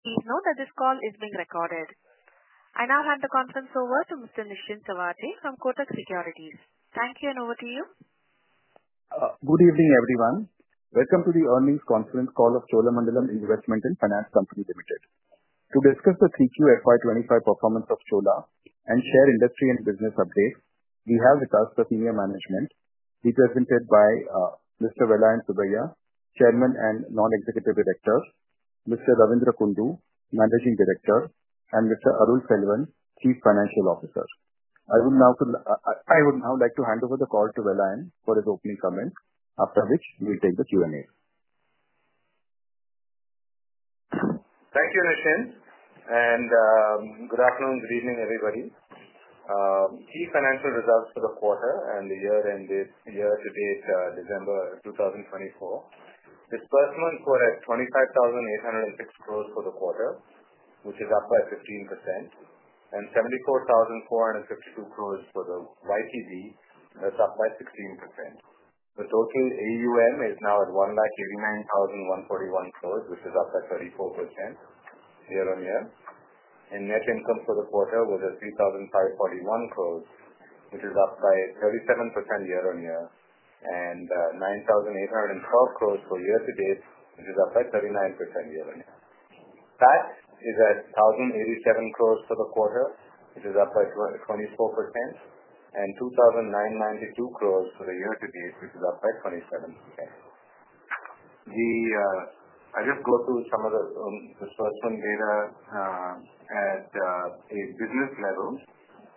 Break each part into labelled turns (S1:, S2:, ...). S1: Please note that this call is being recorded. I now hand the conference over to Mr. Nischint Chawathe from Kotak Securities. Thank you, and over to you.
S2: Good evening, everyone. Welcome to the earnings conference call of Cholamandalam Investment and Finance Company Limited. To discuss the 3Q FY 25 performance of Chola and share industry and business updates, we have with us the senior management, represented by Mr. Vellayan Subbiah, Chairman and Non-Executive Director, Mr. Ravindra Kundu, Managing Director, and Mr. Arul Selvan, Chief Financial Officer. I would now like to hand over the call to Vellayan for his opening comment, after which we'll take the Q&A.
S3: Thank you, Nischint. Good afternoon, good evening, everybody. Key financial results for the quarter and the year-to-date December 2024: disbursement for 25,806 crores for the quarter, which is up by 15%, and 74,452 crores for the YTD, that's up by 16%. The total AUM is now at 189,141 crores, which is up by 34% year-on-year. Net income for the quarter was at 3,541 crores, which is up by 37% year-on-year, and 9,812 crores for year-to-date, which is up by 39% year-on-year. That is at 1,087 crores for the quarter, which is up by 24%, and 2,992 crores for the year-to-date, which is up by 27%. I'll just go through some of the disbursement data at a business level.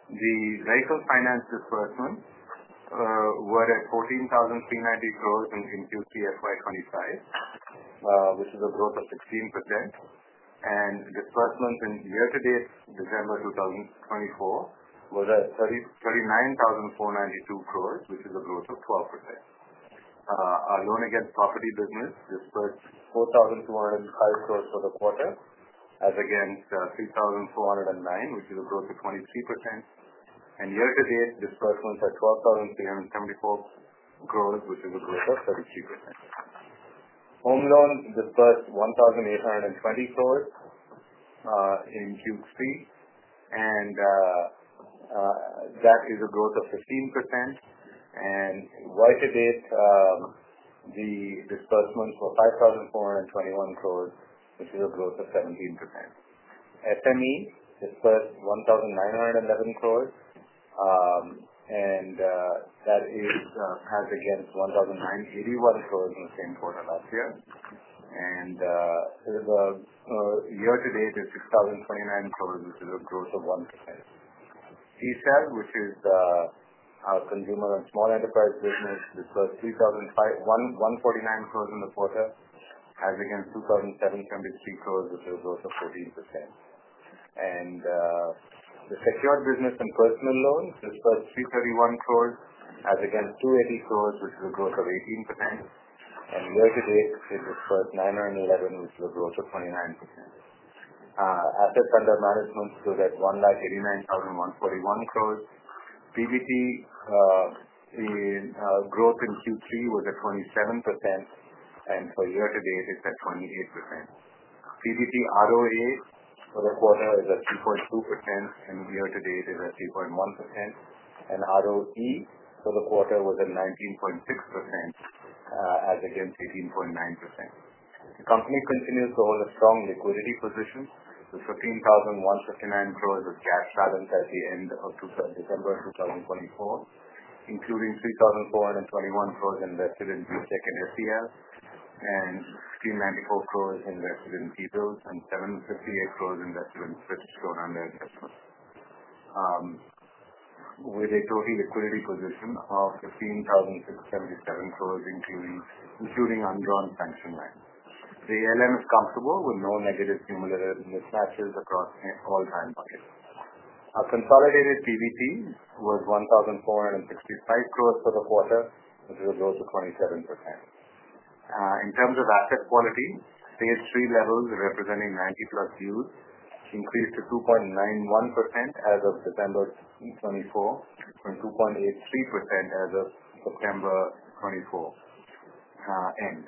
S3: The vehicle finance disbursement was at 14,390 crores in Q3 FY 25, which is a growth of 16%. Disbursement in year-to-date December 2024 was at 39,492 crores, which is a growth of 12%. Our loan against property business disbursed 4,205 crores for the quarter, as against 3,409 crores, which is a growth of 23%. And year-to-date disbursements are 12,374 crores, which is a growth of 33%. Home loans disbursed 1,820 crores in Q3, and that is a growth of 15%. And year-to-date, the disbursements were 5,421 crores, which is a growth of 17%. SME disbursed 1,911 crores, and that is as against 1,981 crores in the same quarter last year. And year-to-date is 6,029 crores, which is a growth of 1%. CSEL, which is our consumer and small enterprise business, disbursed 1,449 crores in the quarter, as against 2,773 crores, which is a growth of 14%. And the secured business and personal loans disbursed 331 crores, as against 280 crores, which is a growth of 18%. And year-to-date, it disbursed 911 crores, which is a growth of 29%. Assets under management stood at INR 189,141 crores. PBT growth in Q3 was at 27%, and for year-to-date, it's at 28%. PBT ROA for the quarter is at 3.2%, and year-to-date is at 3.1%. ROE for the quarter was at 19.6%, as against 18.9%. The company continues to hold a strong liquidity position with 15,159 crores of cash balance at the end of December 2024, including 3,421 crores invested in G-Sec and SDL, and 1,594 crores invested in T-Bills, and 758 crores invested in Swiss Chronon investments, with a total liquidity position of 15,077 crores, including undrawn bank lines. The ALM is comparable with no negative cumulative mismatches across all time buckets. Our consolidated PBT was 1,465 crores for the quarter, which is a growth of 27%. In terms of asset quality, Stage 3 levels representing 90-plus days increased to 2.91% as of December 2024, from 2.83% as of September 2024.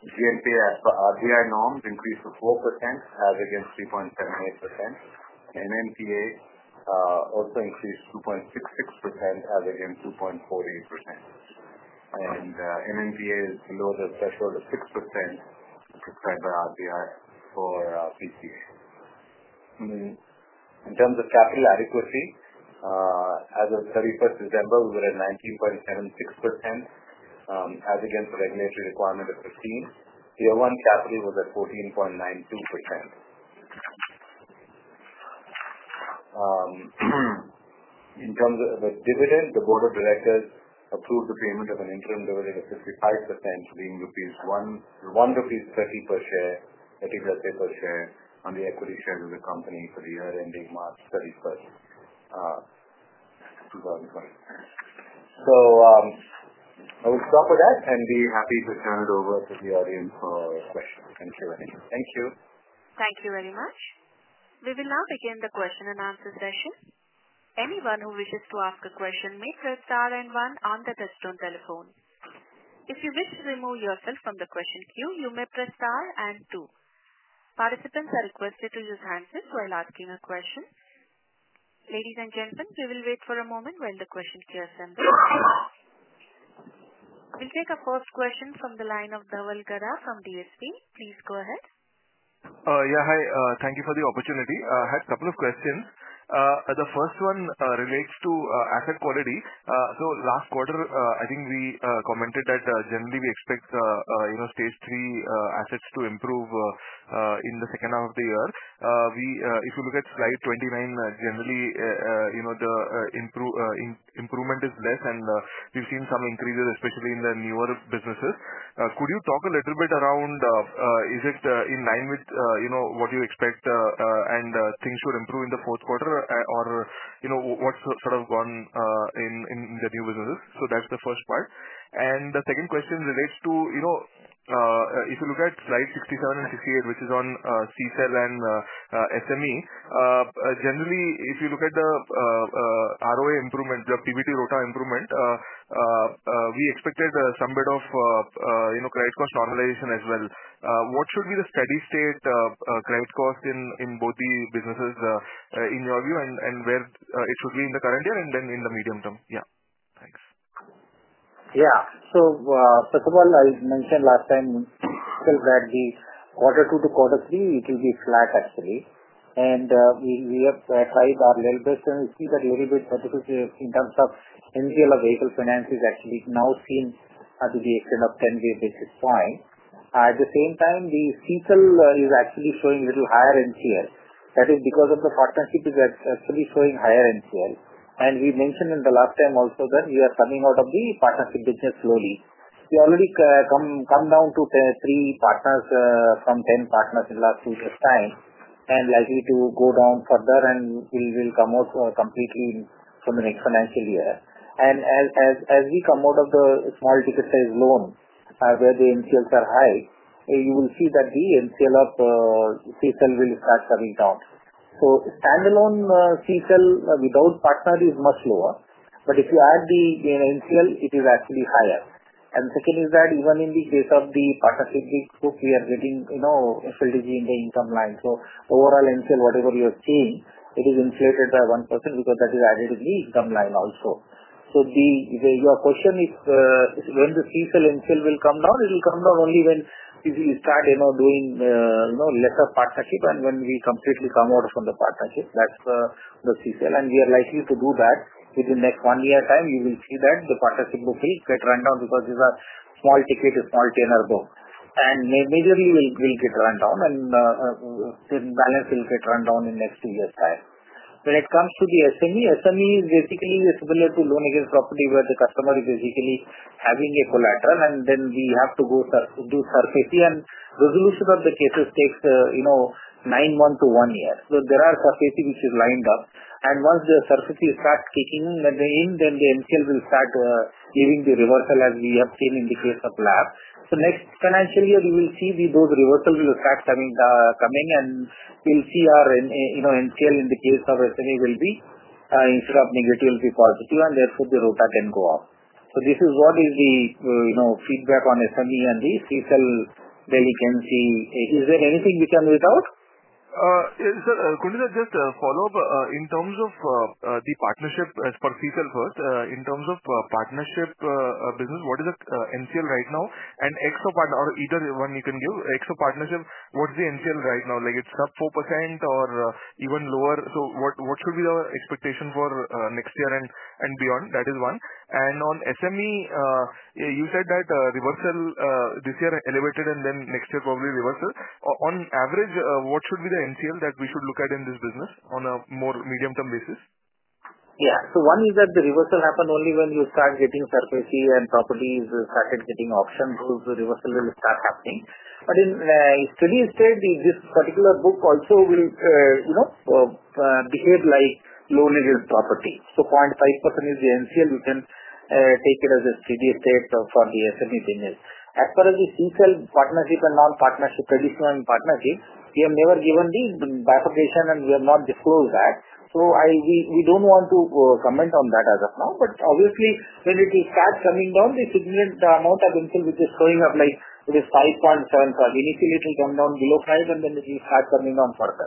S3: GNPA as per RBI norms increased to 4%, as against 3.78%. NNPA also increased 2.66%, as against 2.48%, and NNPA is below the threshold of 6% prescribed by RBI for PCA. In terms of capital adequacy, as of 31st December, we were at 19.76%, as against the regulatory requirement of 15%. Year-one capital was at 14.92%. In terms of dividend, the board of directors approved the payment of an interim dividend of 55%, being 1.30 crores rupees per share, HSA per share, on the equity shares of the company for the year ending March 31st, 2024, so I will stop with that and be happy to turn it over to the audience for questions. Thank you very much.
S1: Thank you very much. We will now begin the question and answer session. Anyone who wishes to ask a question may press star and one on the touch-tone telephone. If you wish to remove yourself from the question queue, you may press star and two. Participants are requested to use handsets while asking a question. Ladies and gentlemen, we will wait for a moment while the question queue assembles. We'll take a first question from the line of Dhaval Gada from DSP. Please go ahead.
S4: Yeah. Hi. Thank you for the opportunity. I had a couple of questions. The first one relates to asset quality. So last quarter, I think we commented that generally we expect Stage 3 Assets to improve in the second half of the year. If you look at slide 29, generally the improvement is less, and we've seen some increases, especially in the newer businesses. Could you talk a little bit around, is it in line with what you expect and things should improve in the fourth quarter, or what's sort of gone in the new businesses? So that's the first part. And the second question relates to, if you look at slide 67 and 68, which is on CSEL and SME, generally if you look at the ROA improvement, the PBT ROA improvement, we expected some bit of credit cost normalization as well. What should be the steady-state credit cost in both the businesses in your view, and where it should be in the current year and then in the medium term? Yeah. Thanks.
S5: Yeah. So first of all, I mentioned last time still that the Q2 to Q3, it will be flat actually. And we have tried our little bit, and we see that little bit in terms of NCL of vehicle finance is actually now seen at the extent of 10 basis points. At the same time, the CSEL is actually showing a little higher NCL. That is because of the partnership is actually showing higher NCL. And we mentioned in the last time also that we are coming out of the partnership business slowly. We already come down to three partners from 10 partners in the last two years' time, and likely to go down further, and we will come out completely from the next financial year. As we come out of the small ticket size loan, where the NCLs are high, you will see that the NCL of CSEL will start coming down. So standalone CSEL without partner is much lower, but if you add the NCL, it is actually higher. And the second is that even in the case of the partnership group, we are getting FLDG in the income line. So overall NCL, whatever you're seeing, it is inflated by 1% because that is added in the income line also. So your question is, when the CSEL NCL will come down, it will come down only when we start doing lesser partnership, and when we completely come out from the partnership, that's the CSEL. And we are likely to do that within the next one year's time. You will see that the partnership book will get run down because these are small ticket, small tenor books, and majorly will get run down, and the balance will get run down in the next two years' time. When it comes to the SME, SME is basically similar to loan against property where the customer is basically having a collateral, and then we have to do SARFAESI, and resolution of the cases takes nine months to one year, so there are SARFAESI which is lined up, and once the SARFAESI is start kicking in, then the NCL will start giving the reversal as we have seen in the case of Vellayan, so next financial year, you will see those reversals will start coming, and we'll see our NCL in the case of SME will be instead of negative, it will be positive, and therefore the ROA can go up. So, this is what is the feedback on SME and the CSEL delivery. Is there anything we can do without?
S4: Yeah. So Kundu, just a follow-up. In terms of the partnership, as per CSEL first, in terms of partnership business, what is the NCL right now? And XO partner, or either one you can give, XO partnership, what's the NCL right now? Like it's sub 4% or even lower? So what should be the expectation for next year and beyond? That is one. And on SME, you said that reversal this year elevated, and then next year probably reversal. On average, what should be the NCL that we should look at in this business on a more medium-term basis?
S5: Yeah. So one is that the reversal happen only when you start getting seizure and properties started getting auctioned, the reversal will start happening. But in steady-state, this particular book also will behave like loan against property. So 0.5% is the NCL. You can take it as a steady-state for the SME business. As far as the CSEL partnership and non-partnership, traditional partnership, we have never given the bifurcation, and we have not disclosed that. So we don't want to comment on that as of now, but obviously when it will start coming down, the significant amount of NCL, which is showing up like it is 5.7%, initially it will come down below 5%, and then it will start coming down further.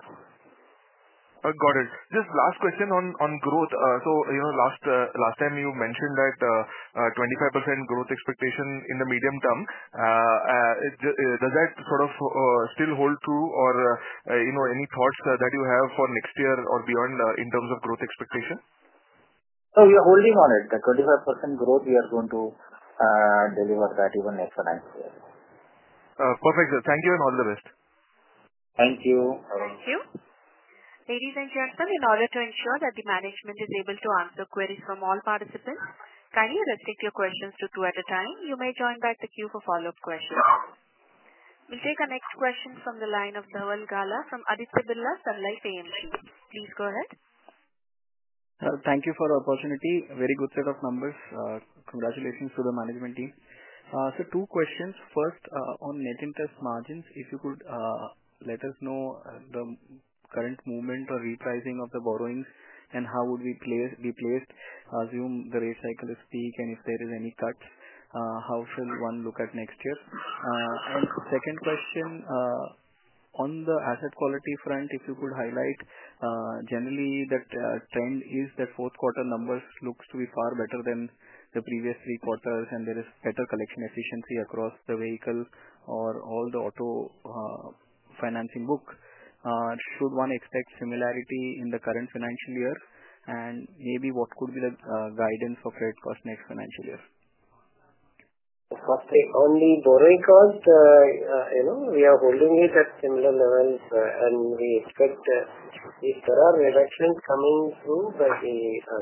S4: Got it. Just last question on growth. So last time you mentioned that 25% growth expectation in the medium term. Does that sort of still hold true, or any thoughts that you have for next year or beyond in terms of growth expectation?
S5: So we are holding on it. The 25% growth, we are going to deliver that even next financial year.
S4: Perfect. Thank you, and all the best.
S5: Thank you.
S1: Thank you. Ladies and gentlemen, in order to ensure that the management is able to answer queries from all participants, kindly restrict your questions to two at a time. You may join back the queue for follow-up questions. We'll take our next question from the line of Dhaval Gala from Aditya Birla Sun Life AMC. Please go ahead.
S6: Thank you for the opportunity. Very good set of numbers. Congratulations to the management team. So two questions. First, on net interest margins, if you could let us know the current movement or repricing of the borrowings, and how would we be placed, assume the rate cycle is peak, and if there is any cut, how should one look at next year? And second question, on the asset quality front, if you could highlight, generally that trend is that fourth quarter numbers looks to be far better than the previous three quarters, and there is better collection efficiency across the vehicle or all the auto financing book. Should one expect similarity in the current financial year? And maybe what could be the guidance for credit cost next financial year?
S5: For only borrowing cost, we are holding it at similar levels, and we expect if there are reductions coming through by the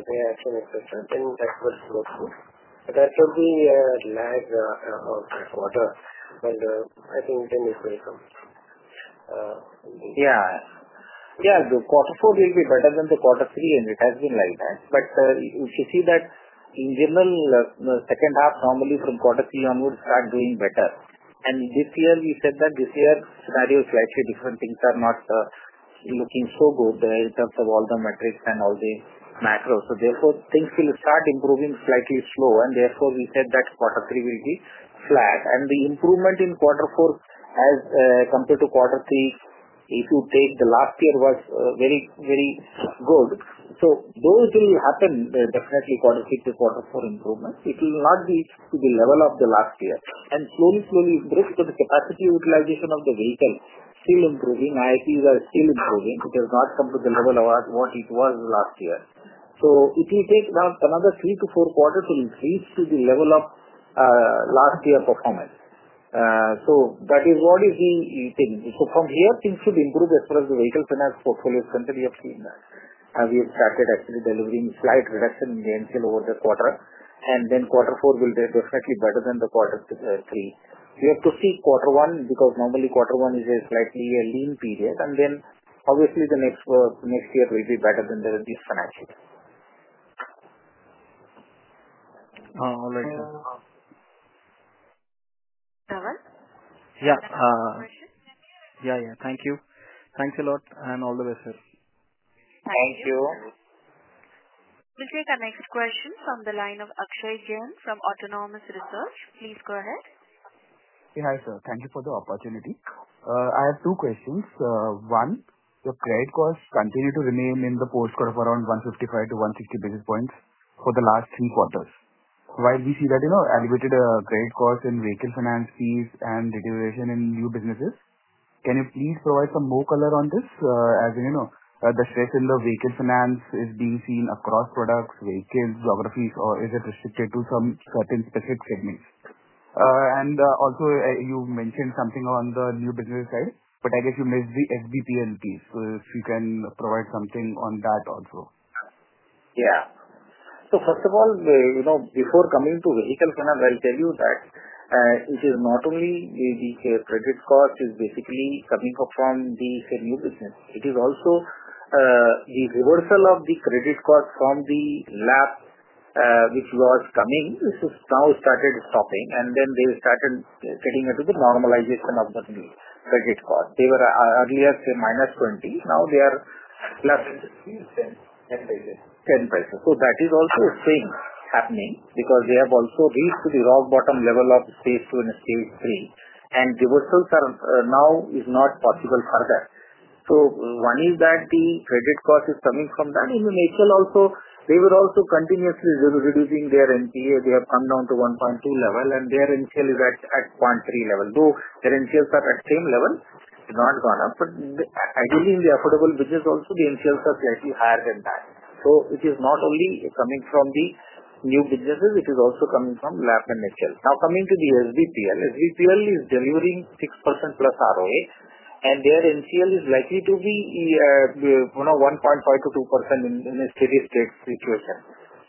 S5: reaction etc., then that will go through, but that will be a lag of quarter, but I think then it will come. Yeah. Yeah. The quarter four will be better than the quarter three, and it has been like that, but if you see that in general, the second half normally from quarter three onwards start doing better. And this year we said that this year scenario is slightly different. Things are not looking so good in terms of all the metrics and all the macros, so therefore, things will start improving slightly slow, and therefore we said that quarter three will be flat, and the improvement in quarter four as compared to quarter three, if you take the last year was very good. So those will happen definitely, quarter three to quarter four improvements. It will not be to the level of the last year, and slowly, slowly improving because the capacity utilization of the vehicle is still improving. IFEs are still improving. It has not come to the level of what it was last year, so it will take about another three to four quarters to increase to the level of last year performance, so that is what is the thing, so from here, things should improve as far as the vehicle finance portfolio is concerned. We have seen that, and we have started actually delivering a slight reduction in the NCL over the quarter, and then quarter four will be definitely better than the quarter three. We have to see quarter one because normally quarter one is a slightly lean period, and then obviously the next year will be better than the financial year.
S6: All right.
S1: Dhaval?
S6: Yeah.
S1: Question?
S6: Yeah. Yeah. Thank you. Thanks a lot, and all the best, sir.
S1: Thank you.
S5: Thank you.
S1: We'll take our next question from the line of Akshay Jain from Autonomous Research. Please go ahead.
S7: Yeah. Hi, sir. Thank you for the opportunity. I have two questions. One, the credit costs continue to remain in the postcode of around 155-160 basis points for the last three quarters. Why do we see that elevated credit costs in vehicle finance fees and deviation in new businesses? Can you please provide some more color on this? As in, the stress in the vehicle finance is being seen across products, vehicles, geographies, or is it restricted to some certain specific segments? And also, you mentioned something on the new business side, but I guess you missed the SBPL piece. So if you can provide something on that also.
S5: Yeah. So first of all, before coming to vehicle finance, I'll tell you that it is not only the credit cost is basically coming from the new business. It is also the reversal of the credit cost from the LAP which was coming, which has now started stopping, and then they started getting into the normalization of the new credit cost. They were earlier say -20. Now they are less.
S8: 10%.
S5: 10%. So that is also a swing happening because they have also reached to the rock bottom level of stage two and stage three, and reversals are now not possible further. So one is that the credit cost is coming from that. In the nature also, they were also continuously reducing their NNPA. They have come down to 1.2 level, and their NCL is at 0.3 level. Though their NCLs are at same level, it's not gone up. But ideally, in the affordable business also, the NCLs are slightly higher than that. So it is not only coming from the new businesses. It is also coming from LAP and nature. Now coming to the SBPL, SBPL is delivering 6% plus ROA, and their NCL is likely to be 1.5%-2% in a steady-state situation.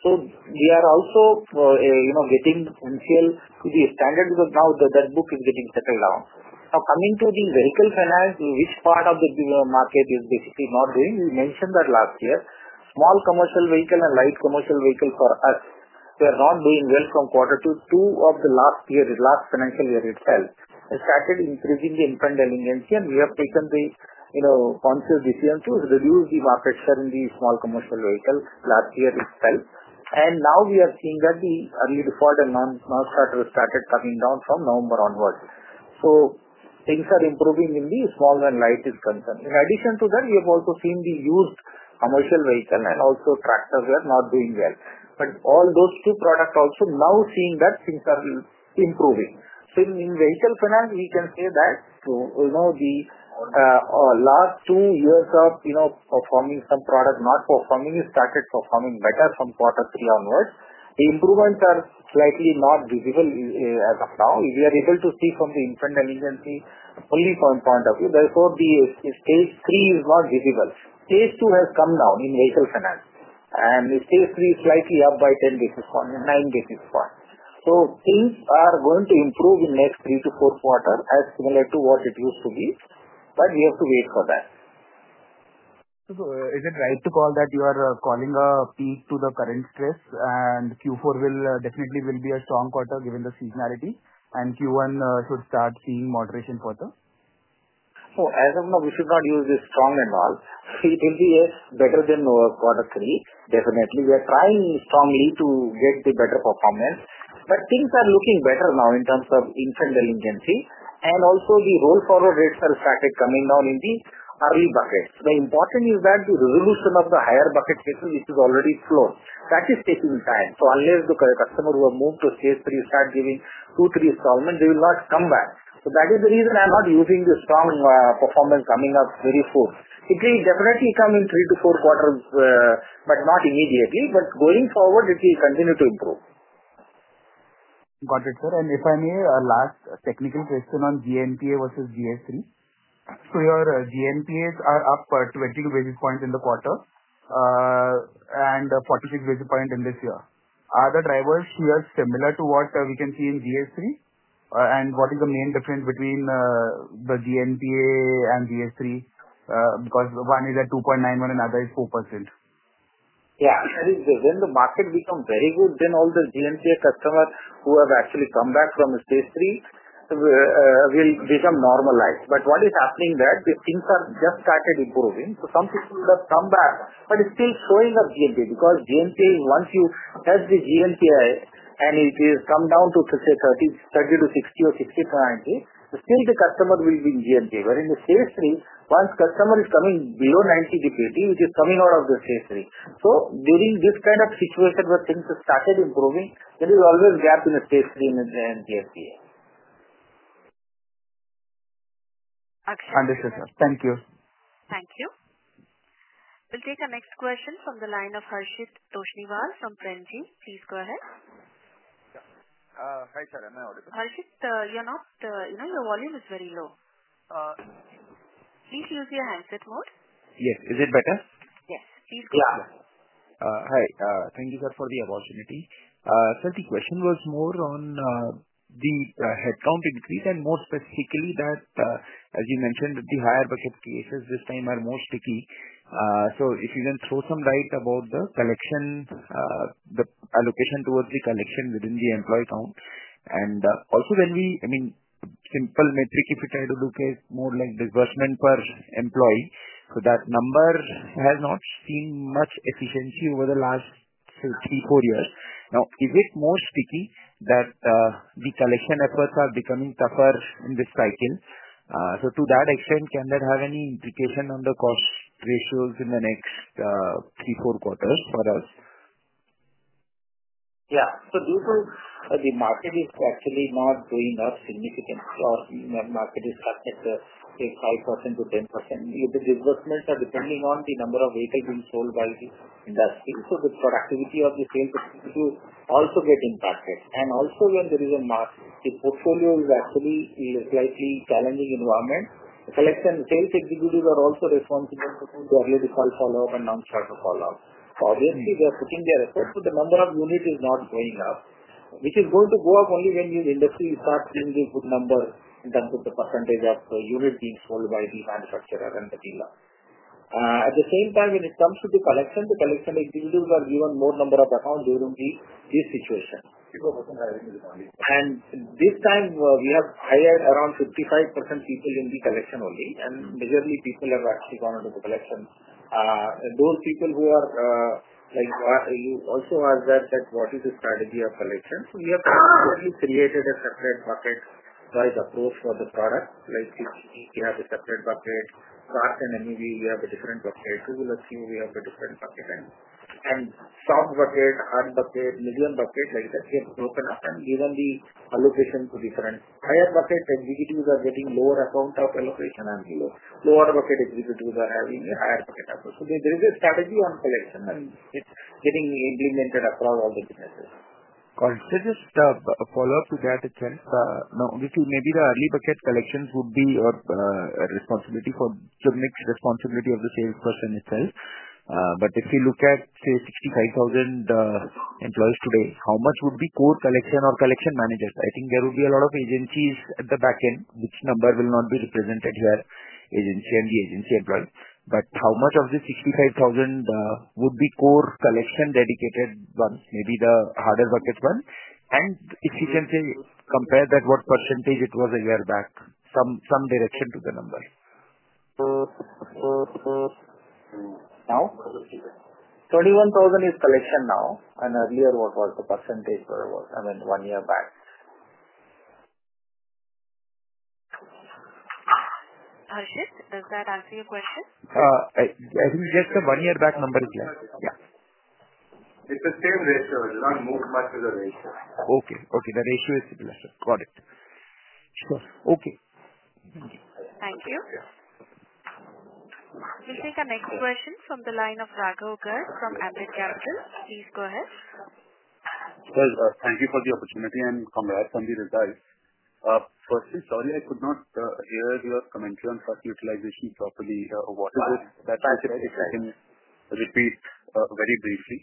S5: So, we are also getting NCL to be standard because now that book is getting settled down. Now, coming to the vehicle finance, which part of the market is basically not doing? We mentioned that last year. Small commercial vehicle and light commercial vehicle for us, they are not doing well from quarter two of the last year, last financial year itself. It started increasing the imprint delinquency, and we have taken the conscious decision to reduce the market share in the small commercial vehicle last year itself. And now we are seeing that the early default and non-starter started coming down from November onwards. So, things are improving in the small and light as concerned. In addition to that, we have also seen the used commercial vehicle and also tractors are not doing well. But all those two products also now seeing that things are improving. In vehicle finance, we can say that the last two years of performing some product not performing is started performing better from quarter three onwards. The improvements are slightly not visible as of now. We are able to see from the impairment delinquency only point of view. Therefore, the stage three is not visible. Stage two has come down in vehicle finance, and stage three is slightly up by 10 basis points, 9 basis points. Things are going to improve in next three to four quarters as similar to what it used to be, but we have to wait for that.
S7: So is it right to call that you are calling a peak to the current stress, and Q4 will definitely be a strong quarter given the seasonality, and Q1 should start seeing moderation further?
S5: So as of now, we should not use this strong and all. It will be better than quarter three, definitely. We are trying strongly to get the better performance, but things are looking better now in terms of impairment delinquency, and also the roll rates have started coming down in the early buckets. The important is that the resolution of the higher bucket cases, which is already slow, that is taking time. So unless the customer will move to Stage 3, start giving two, three installments, they will not come back. So that is the reason I'm not using the strong performance coming up very soon. It will definitely come in three to four quarters, but not immediately. But going forward, it will continue to improve.
S7: Got it, sir. And if I may, last technical question on GNPA versus GS3. So your GNPAs are up 22 basis points in the quarter and 46 basis points in this year. Are the drivers here similar to what we can see in GS3? And what is the main difference between the GNPA and GS3? Because one is at 2.91 and the other is 4%.
S5: Yeah. And then the market becomes very good, then all the GNPA customers who have actually come back from Stage 3 will become normalized. But what is happening that things have just started improving. So some people have come back, but it's still showing up GNPA because GNPA, once you test the GNPA and it has come down to, say, 30-60 or 60-90, still the customer will be in GNPA. But in the Stage 3, once customer is coming below 90 days, which is coming out of the Stage 3. So during this kind of situation where things have started improving, there is always gap in the Stage 3 and GNPA.
S1: Akshay Jain?
S7: Understood, sir. Thank you.
S1: Thank you. We'll take our next question from the line of Harshit Toshniwal from Premji. Please go ahead.
S9: Hi, sir. I'm not audible.
S1: Harshit, your volume is very low. Please use your handset.
S9: Yes. Is it better?
S1: Yes. Please go ahead.
S9: Yeah. Hi. Thank you, sir, for the opportunity. Sir, the question was more on the headcount increase and more specifically that, as you mentioned, the higher bucket cases this time are more sticky. So if you can throw some light about the allocation towards the collection within the employee count. And also when we, I mean, simple metric, if you try to look at more like disbursement per employee, so that number has not seen much efficiency over the last three, four years. Now, is it more sticky that the collection efforts are becoming tougher in this cycle? So to that extent, can that have any implication on the cost ratios in the next three, four quarters for us?
S5: Yeah. So this is the market is actually not doing up significantly. The market is cut at, say, 5%-10%. The disbursements are depending on the number of vehicles being sold by the industry. So the productivity of the sales executive also gets impacted. And also, when the portfolio is actually a slightly challenging environment, the sales executives are also responsible for the early default follow-up and non-starter follow-up. So obviously, they are putting their effort, but the number of units is not going up, which is going to go up only when the industry starts seeing the good number in terms of the percentage of units being sold by the manufacturer and the dealer. At the same time, when it comes to the collection, the collection executives are given more number of accounts during this situation.
S8: People were hired in this company.
S5: This time, we have hired around 55% people in the collection only, and majority of people have actually gone into the collection. Those people who are like you also asked that what is the strategy of collection. We have created a separate bucket-wise approach for the product. We have a separate bucket. Cars and MHCV, we have a different bucket. Two-wheelers, too, we have a different bucket. And soft bucket, hard bucket, medium bucket, like that, we have broken up and given the allocation to different. Higher bucket executives are getting lower account of allocation and lower bucket executives are having a higher bucket account. There is a strategy on collection, and it's getting implemented across all the businesses.
S9: Just a follow-up to that. Now, maybe the early bucket collections would be a responsibility for the mixed responsibility of the salesperson itself. But if you look at, say, 65,000 employees today, how much would be core collection or collection managers? I think there would be a lot of agencies at the back end, which number will not be represented here, agency and the agency employee. But how much of the 65,000 would be core collection dedicated ones, maybe the harder bucket one? And if you can say, compare that what percentage it was a year back, some direction to the number.
S5: Now? 21,000 is collection now, and earlier what was the percentage for? I mean, one year back?
S1: Harshit, does that answer your question?
S9: I think just the one year back number is less. Yeah.
S5: It's the same ratio. It has not moved much with the ratio. Okay. Okay. The ratio is similar. Got it. Sure. Okay.
S1: Thank you. We'll take our next question from the line of Raghav Garg from Ambit Capital. Please go ahead.
S10: Thank you for the opportunity and congrats on the results. Firstly, sorry I could not hear your commentary on trust utilization properly. What is it? That's it. If you can repeat very briefly.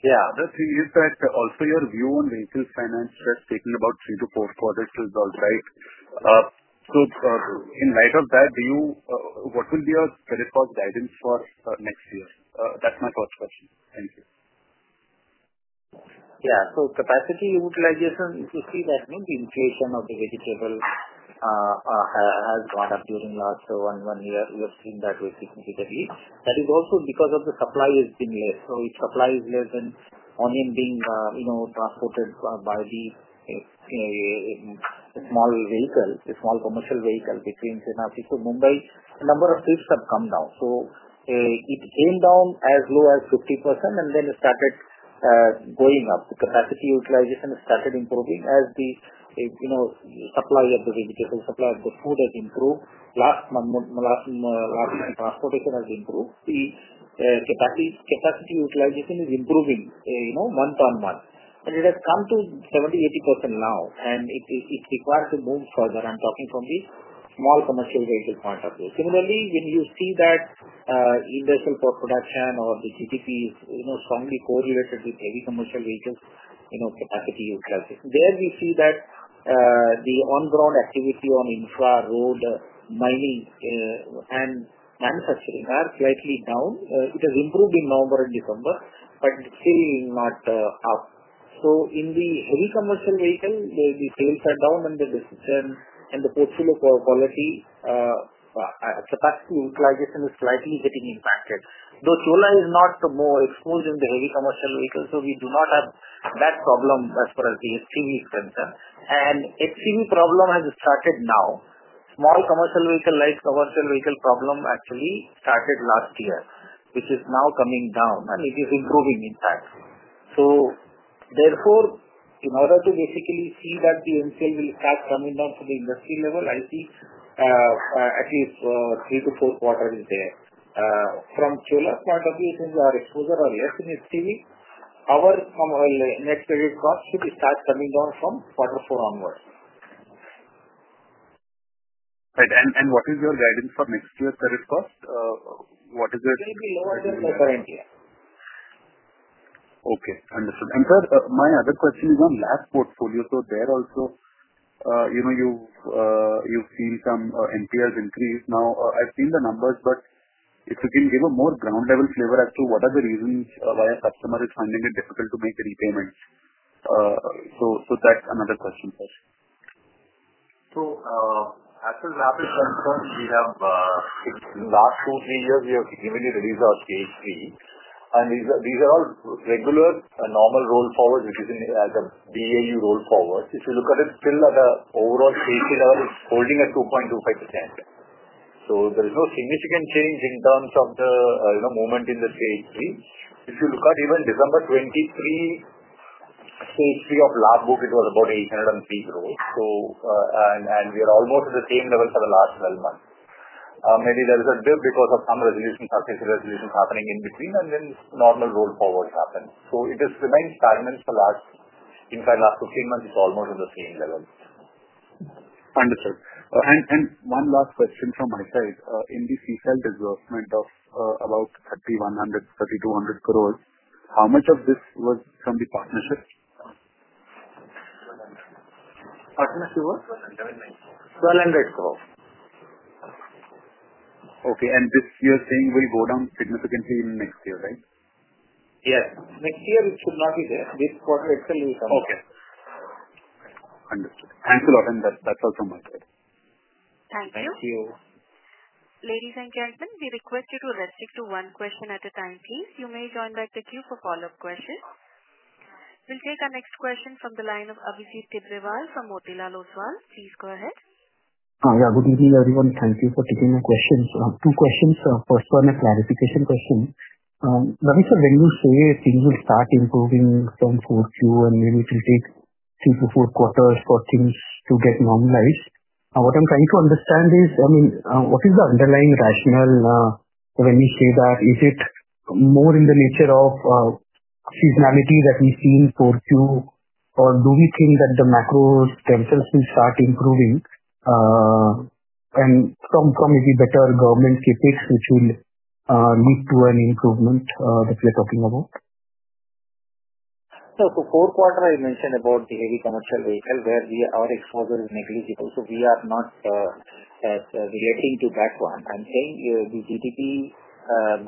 S5: Yeah.
S10: The other thing is that also your view on vehicle finance just talking about three to four quarters is all right. So in light of that, what will be your credit cost guidance for next year? That's my first question. Thank you.
S5: Yeah. So, capacity utilization, you see that the inflation of the vehicle has gone up during the last one year. We have seen that significantly. That is also because the supply has been less. So if supply is less, the onions being transported by the small vehicle, the small commercial vehicle between Sri Lanka to Mumbai, the number of trips have come down. So it came down as low as 50%, and then it started going up. The capacity utilization started improving as the supply of the vehicles, the supply of the food has improved. Last month, transportation has improved. The capacity utilization is improving month on month. And it has come to 70%-80% now, and it requires to move further. I'm talking from the small commercial vehicle point of view. Similarly, when you see that industrial port production or the GDP is strongly correlated with heavy commercial vehicles capacity utilization, there we see that the on-ground activity on infra, road, mining, and manufacturing are slightly down. It has improved in November and December, but still not up, so in the heavy commercial vehicle, the sales are down, and the portfolio quality, capacity utilization is slightly getting impacted. Though Chola is not more exposed in the heavy commercial vehicles, so we do not have that problem as far as the HCV is concerned, and HCV problem has started now. Small commercial vehicle-like commercial vehicle problem actually started last year, which is now coming down, and it is improving in fact, so therefore, in order to basically see that the NCL will start coming down to the industry level, I see at least three to four quarters is there. From Chola's point of view, since our exposure are less in HCV, our next credit cost should start coming down from quarter four onwards.
S10: Right. And what is your guidance for next year's credit cost? What is it?
S5: It will be lower than the current year.
S10: Okay. Understood. And sir, my other question is on LAP portfolio. So there also, you've seen some NPLs increase. Now, I've seen the numbers, but if you can give a more ground-level flavor as to what are the reasons why a customer is finding it difficult to make repayments? So that's another question, sir.
S5: As of now, we have last two, three years, we have evenly released our stage three. And these are all regular and normal roll forwards, which is in the BAU roll forwards. If you look at it still at an overall stage three level, it's holding at 2.25%. So there is no significant change in terms of the movement in the stage three. If you look at even December 2023, stage three of LAP book, it was about 803 growth. And we are almost at the same level for the last 12 months. Maybe there is a dip because of some resolution, successive resolutions happening in between, and then normal roll forwards happen. So it has remained stagnant for the last, in fact, last 15 months, it's almost at the same level.
S10: Understood. And one last question from my side. In the CSEL disbursement of about 3,100-3,200 crores, how much of this was from the partnership?
S5: Partnership was?
S8: 1,200.
S5: 1,200 croress.
S10: Okay. And this you're saying will go down significantly in next year, right?
S5: Yes. Next year, it should not be there. This quarter, it will come down.
S10: Okay. Understood. Thanks a lot, and that's all from my side.
S1: Thank you.
S10: Thank you.
S1: Ladies and gentlemen, we request you to restrict to one question at a time, please. You may join back the queue for follow-up questions. We'll take our next question from the line of Abhijit Tibrewal from Motilal Oswal. Please go ahead.
S11: Yeah. Good evening, everyone. Thank you for taking my questions. Two questions. First one, a clarification question. Ravindra, when you say things will start improving from fourth quarter and maybe it will take three to four quarters for things to get normalized, what I'm trying to understand is, I mean, what is the underlying rationale when you say that? Is it more in the nature of seasonality that we've seen fourth quarter, or do we think that the macro themselves will start improving and come from maybe better government spending, which will lead to an improvement that we're talking about?
S5: So for fourth quarter, I mentioned about the heavy commercial vehicle where our exposure is negligible. So we are not relating to that one. I'm saying the GDP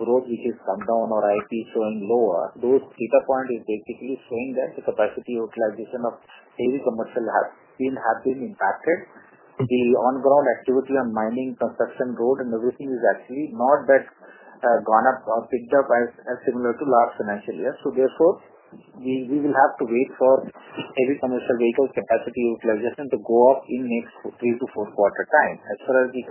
S5: growth, which has come down, or IP showing lower, those data points are basically showing that the capacity utilization of heavy commercial has been impacted. The on-ground activity on mining, construction, road, and everything is actually not that gone up or picked up as similar to last financial year. So therefore, we will have to wait for heavy commercial vehicle capacity utilization to go up in next three to four quarter time. As far as the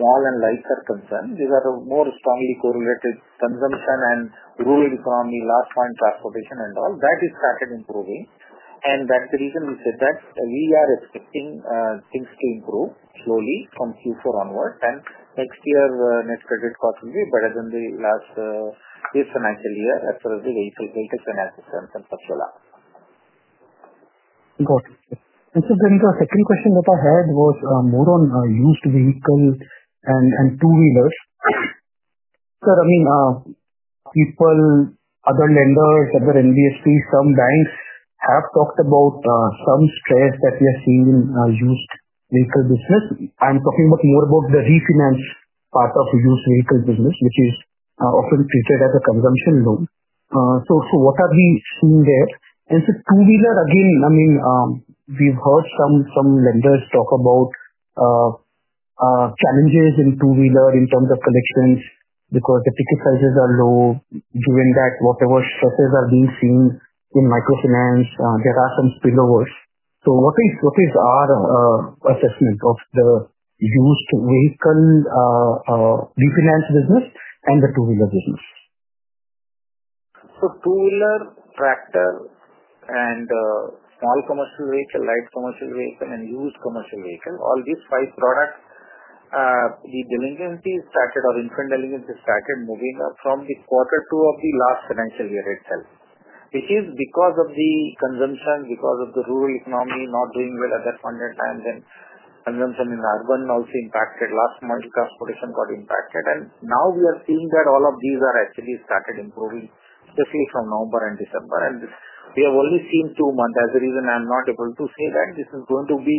S5: small and lights are concerned, these are more strongly correlated consumption and rural economy, last point, transportation, and all that has started improving. And that's the reason we said that we are expecting things to improve slowly from Q4 onward. And next year, net credit cost will be better than the last financial year as far as the vehicle finance and assets and such a lot.
S11: Got it. And sir, then the second question that I had was more on used vehicle and two-wheelers. Sir, I mean, people, other lenders, other NBFCs, some banks have talked about some stress that we are seeing in used vehicle business. I'm talking more about the refinance part of used vehicle business, which is often treated as a consumption loan. So what are we seeing there? And sir, two-wheeler, again, I mean, we've heard some lenders talk about challenges in two-wheeler in terms of collections because the ticket sizes are low. Given that whatever stresses are being seen in microfinance, there are some spillovers. So what is our assessment of the used vehicle refinance business and the two-wheeler business?
S5: Two-wheeler, tractor, and small commercial vehicle, light commercial vehicle, and used commercial vehicle, all these five products, the delinquency started moving up from the quarter two of the last financial year itself, which is because of the consumption, because of the rural economy not doing well at that point in time, then consumption in the urban also impacted. Last month, transportation got impacted. Now we are seeing that all of these are actually started improving, especially from November and December. We have only seen two months. That's the reason I'm not able to say that this is going to be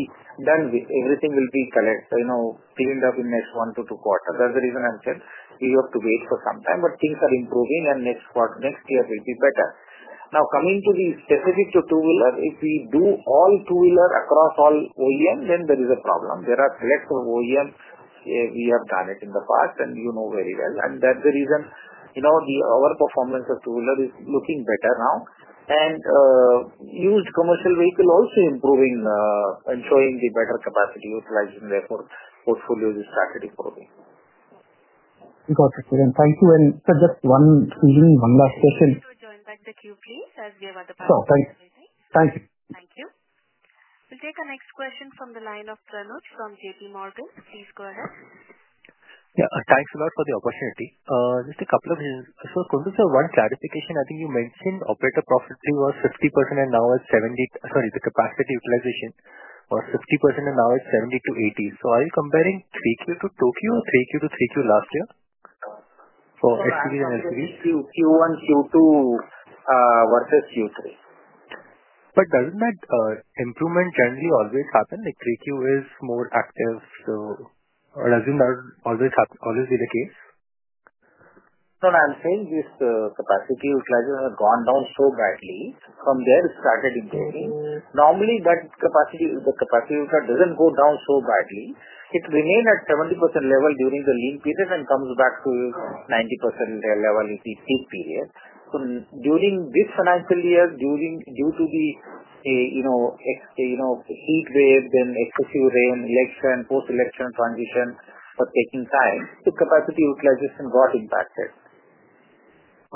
S5: done. Everything will be cleaned up in next one to two quarters. That's the reason I'm saying we have to wait for some time, but things are improving, and next year will be better. Now, coming to the specific to two-wheeler, if we do all two-wheeler across all OEM, then there is a problem. There are selective OEMs. We have done it in the past, and you know very well. And that's the reason the overall performance of two-wheeler is looking better now. And used commercial vehicle also improving and showing the better capacity utilization. Therefore, portfolio is started improving.
S11: Got it. Thank you. And sir, just one final, one last question.
S1: Thank you for joining back the queue, please, as we have other participants.
S11: Sure. Thank you.
S1: Thank you. We'll take our next question from the line of Pranav from J.P. Morgan. Please go ahead.
S12: Yeah. Thanks a lot for the opportunity. Just a couple of questions. So I was going to say one clarification. I think you mentioned operator profitability was 50% and now it's 70%. Sorry, the capacity utilization was 50% and now it's 70%-80%. So are you comparing 3Q to 2Q or 3Q to 3Q last year for SUVs and LCVs?
S5: Q1, Q2 versus Q3.
S12: But doesn't that improvement generally always happen? 3Q is more active. So doesn't that always be the case?
S5: No, no. I'm saying this capacity utilization has gone down so badly. From there, it started improving. Normally, the capacity utilization doesn't go down so badly. It remained at 70% level during the lean period and comes back to 90% level in the peak period. So during this financial year, due to the heat wave, then excessive rain, election, post-election transition, was taking time. So capacity utilization got impacted.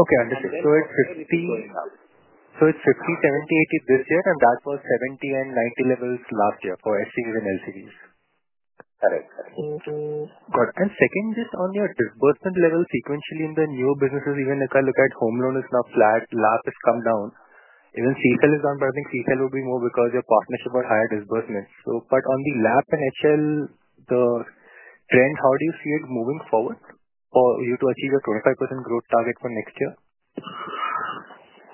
S12: Okay. Understood. So it's 50, 70, 80 this year, and that was 70 and 90 levels last year for SUVs and LCVs.
S5: Correct. Correct.
S12: Got it. And second, just on your disbursement level sequentially in the new businesses, even if I look at home loan, it's not flat. LAP has come down. Even CSL is down, but I think CSL will be more because your partnerships are higher disbursements. But on the LAP and HL, the trend, how do you see it moving forward for you to achieve your 25% growth target for next year?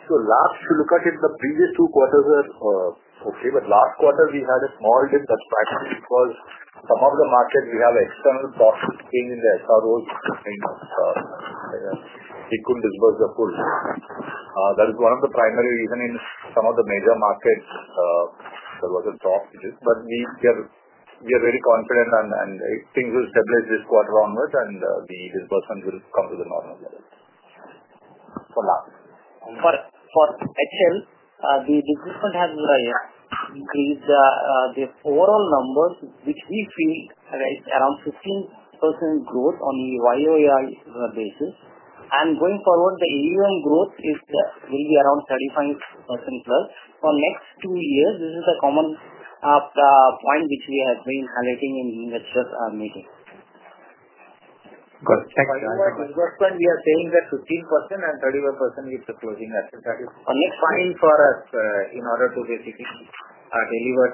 S5: So last, if you look at it, the previous two quarters were okay. But last quarter, we had a small dip that's primarily because some of the markets, we have external forces playing in the SROs because they couldn't disburse the full. That is one of the primary reasons in some of the major markets there was a drop. But we are very confident, and things will stabilize this quarter onward, and the disbursement will come to the normal level for LAPs. For HL, the disbursement has increased. The overall numbers, which we feel, are around 15% growth on a YOI basis, and going forward, the AUM growth will be around 35% plus. For next two years, this is the common point which we have been highlighting in the last meeting.
S12: Got it. Thanks.
S5: For disbursement, we are saying that 15% and 35% with the closing asset. That is fine. For next time for us, in order to basically deliver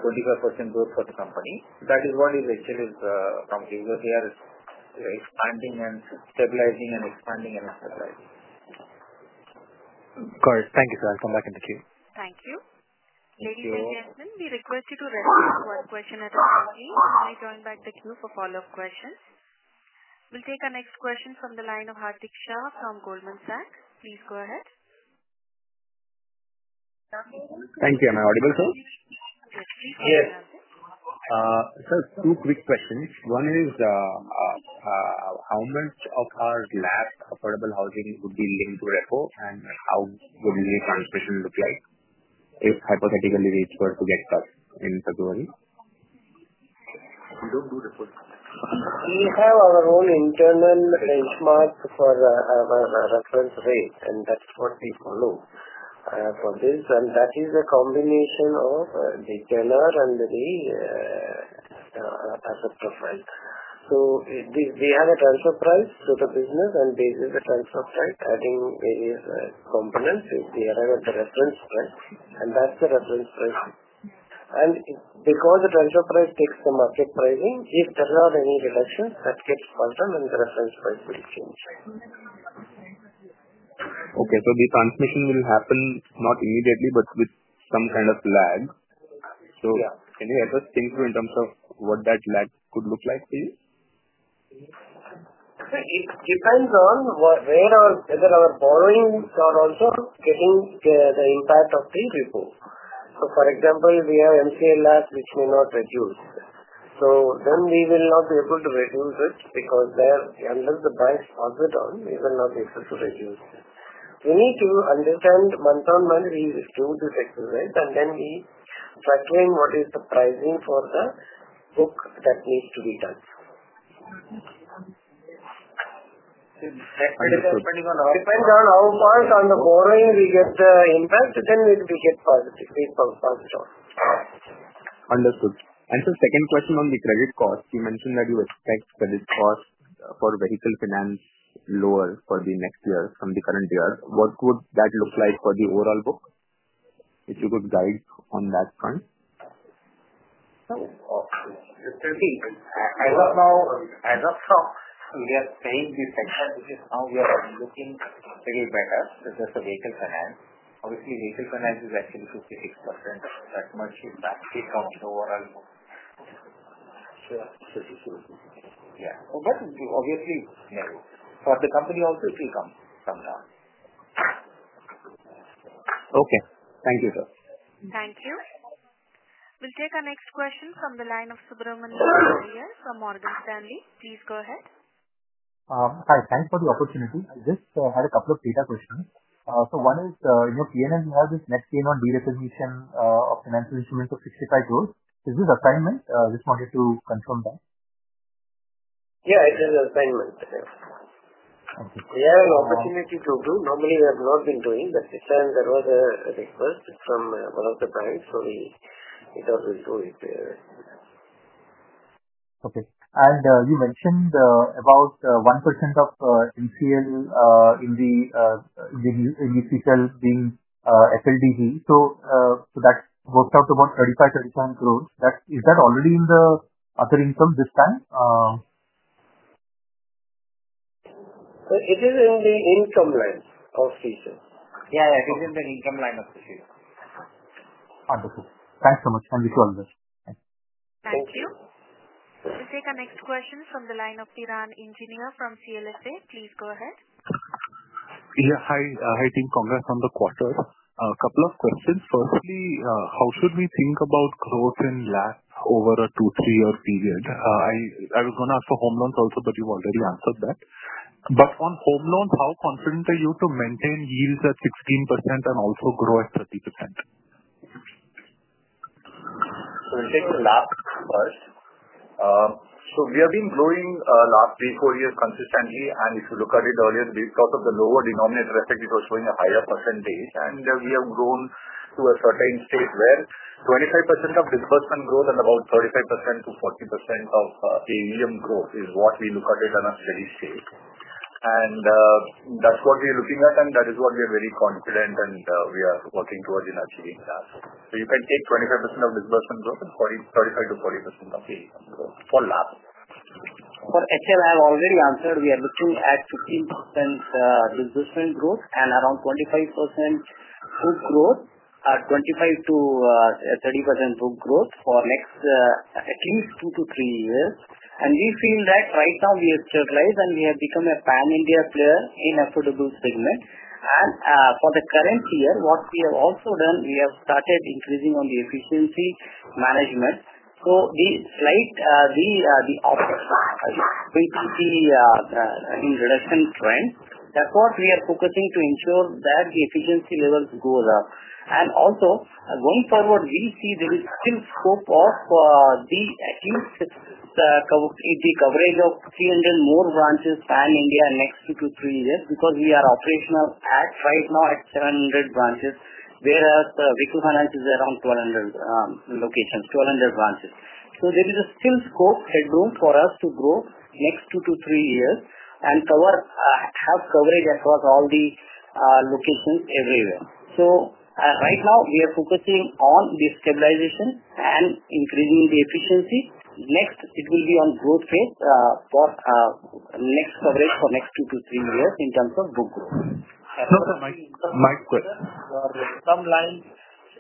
S5: 25% growth for the company, that is what HL is promising because they are expanding and stabilizing and expanding and stabilizing.
S12: Got it. Thank you, sir. I'll come back in the queue.
S1: Thank you. Ladies and gentlemen, we request you to restrict to one question at a time, please. You may join back the queue for follow-up questions. We'll take our next question from the line of Hardik Shah from Goldman Sachs. Please go ahead.
S13: Thank you. Am I audible?
S1: Yes. Please go ahead, Hardik.
S13: Sir, two quick questions. One is how much of our last affordable housing would be linked to repo, and how would the transmission look like if hypothetically we were to get stuck in February?
S5: We have our own internal benchmark for our reference rate, and that's what we follow for this, and that is a combination of the tenor and the asset profile, so we have a transfer price to the business, and this is the transfer price adding various components. We arrive at the reference price, and that's the reference price, and because the transfer price takes the market pricing, if there are any reductions, that gets flow down, and the reference price will change.
S13: Okay. So the transmission will happen not immediately, but with some kind of lag. So can you help us think through in terms of what that lag could look like, please?
S5: It depends on where or whether our borrowings are also getting the impact of the repo. So for example, we have MCLR slabs, which may not reduce. So then we will not be able to reduce it because unless the banks pass it on, we will not be able to reduce it. We need to understand month on month, we do this exercise, and then we factor in what is the pricing for the book that needs to be done. It depends on how fast the borrowing we get the impact, then we can pass it on.
S13: Understood. And sir, second question on the credit cost. You mentioned that you expect credit cost for vehicle finance lower for the next year from the current year. What would that look like for the overall book? If you could guide on that front.
S5: I don't know if we are saying this sector, which is how we are looking a little better, just the vehicle finance. Obviously, vehicle finance is actually 56%. That much is backed from the overall book. Yeah. But obviously, for the company also, it will come down.
S13: Okay. Thank you, sir.
S1: Thank you. We'll take our next question from the line of Subramanian Iyer from Morgan Stanley. Please go ahead.
S14: Hi. Thanks for the opportunity. I just had a couple of data questions. So one is, in your P&L, you have this net gain on derecognition of financial instruments of 65 crores. Is this assignment? Just wanted to confirm that.
S5: Yeah. It is an assignment. We have an opportunity to do. Normally, we have not been doing, but this time there was a request from one of the banks, so we thought we'll do it.
S14: Okay. And you mentioned about 1% of MCL in the CSL being FLDG. So that works out to about 35-37 crores. Is that already in the other income this time?
S5: It is in the income line of CSL. Yeah. It is in the income line of the CSL.
S14: Wonderful. Thanks so much and wish you all the best.
S1: Thank you. We'll take our next question from the line of Piran Engineer from CLSA. Please go ahead.
S15: Yeah. Hi. Hi, team Congress. On the quarter, a couple of questions. Firstly, how should we think about growth in LAP over a two, three-year period? I was going to ask for home loans also, but you've already answered that. But on home loans, how confident are you to maintain yields at 16% and also grow at 30%?
S5: We'll take the LAP first. We have been growing last three, four years consistently. If you look at it earlier, because of the lower denominator effect, it was showing a higher percentage. We have grown to a certain state where 25% disbursement growth and about 35%-40% AUM growth is what we look at it in a steady state. That's what we are looking at, and that is what we are very confident and we are working towards in achieving that. You can take 25% disbursement growth and 35%-40% AUM growth for LAP. For HL, I have already answered. We are looking at 15% disbursement growth and around 25% book growth, 25%-30% book growth for next at least two to three years. And we feel that right now we have stabilized and we have become a pan-India player in affordable segment. And for the current year, what we have also done, we have started increasing on the efficiency management. So the slight, the upward, which is the reduction trend, that's what we are focusing to ensure that the efficiency levels go up. And also, going forward, we see there is still scope of at least the coverage of 300 more branches pan-India next two to three years because we are operational at right now at 700 branches, whereas vehicle finance is around 1,200 locations, 1,200 branches. So there is still scope headroom for us to grow next two to three years and have coverage across all the locations everywhere. So right now, we are focusing on the stabilization and increasing the efficiency. Next, it will be on growth phase for next coverage for next two to three years in terms of book growth.
S8: Sir, sorry. Mike.
S5: Some lines,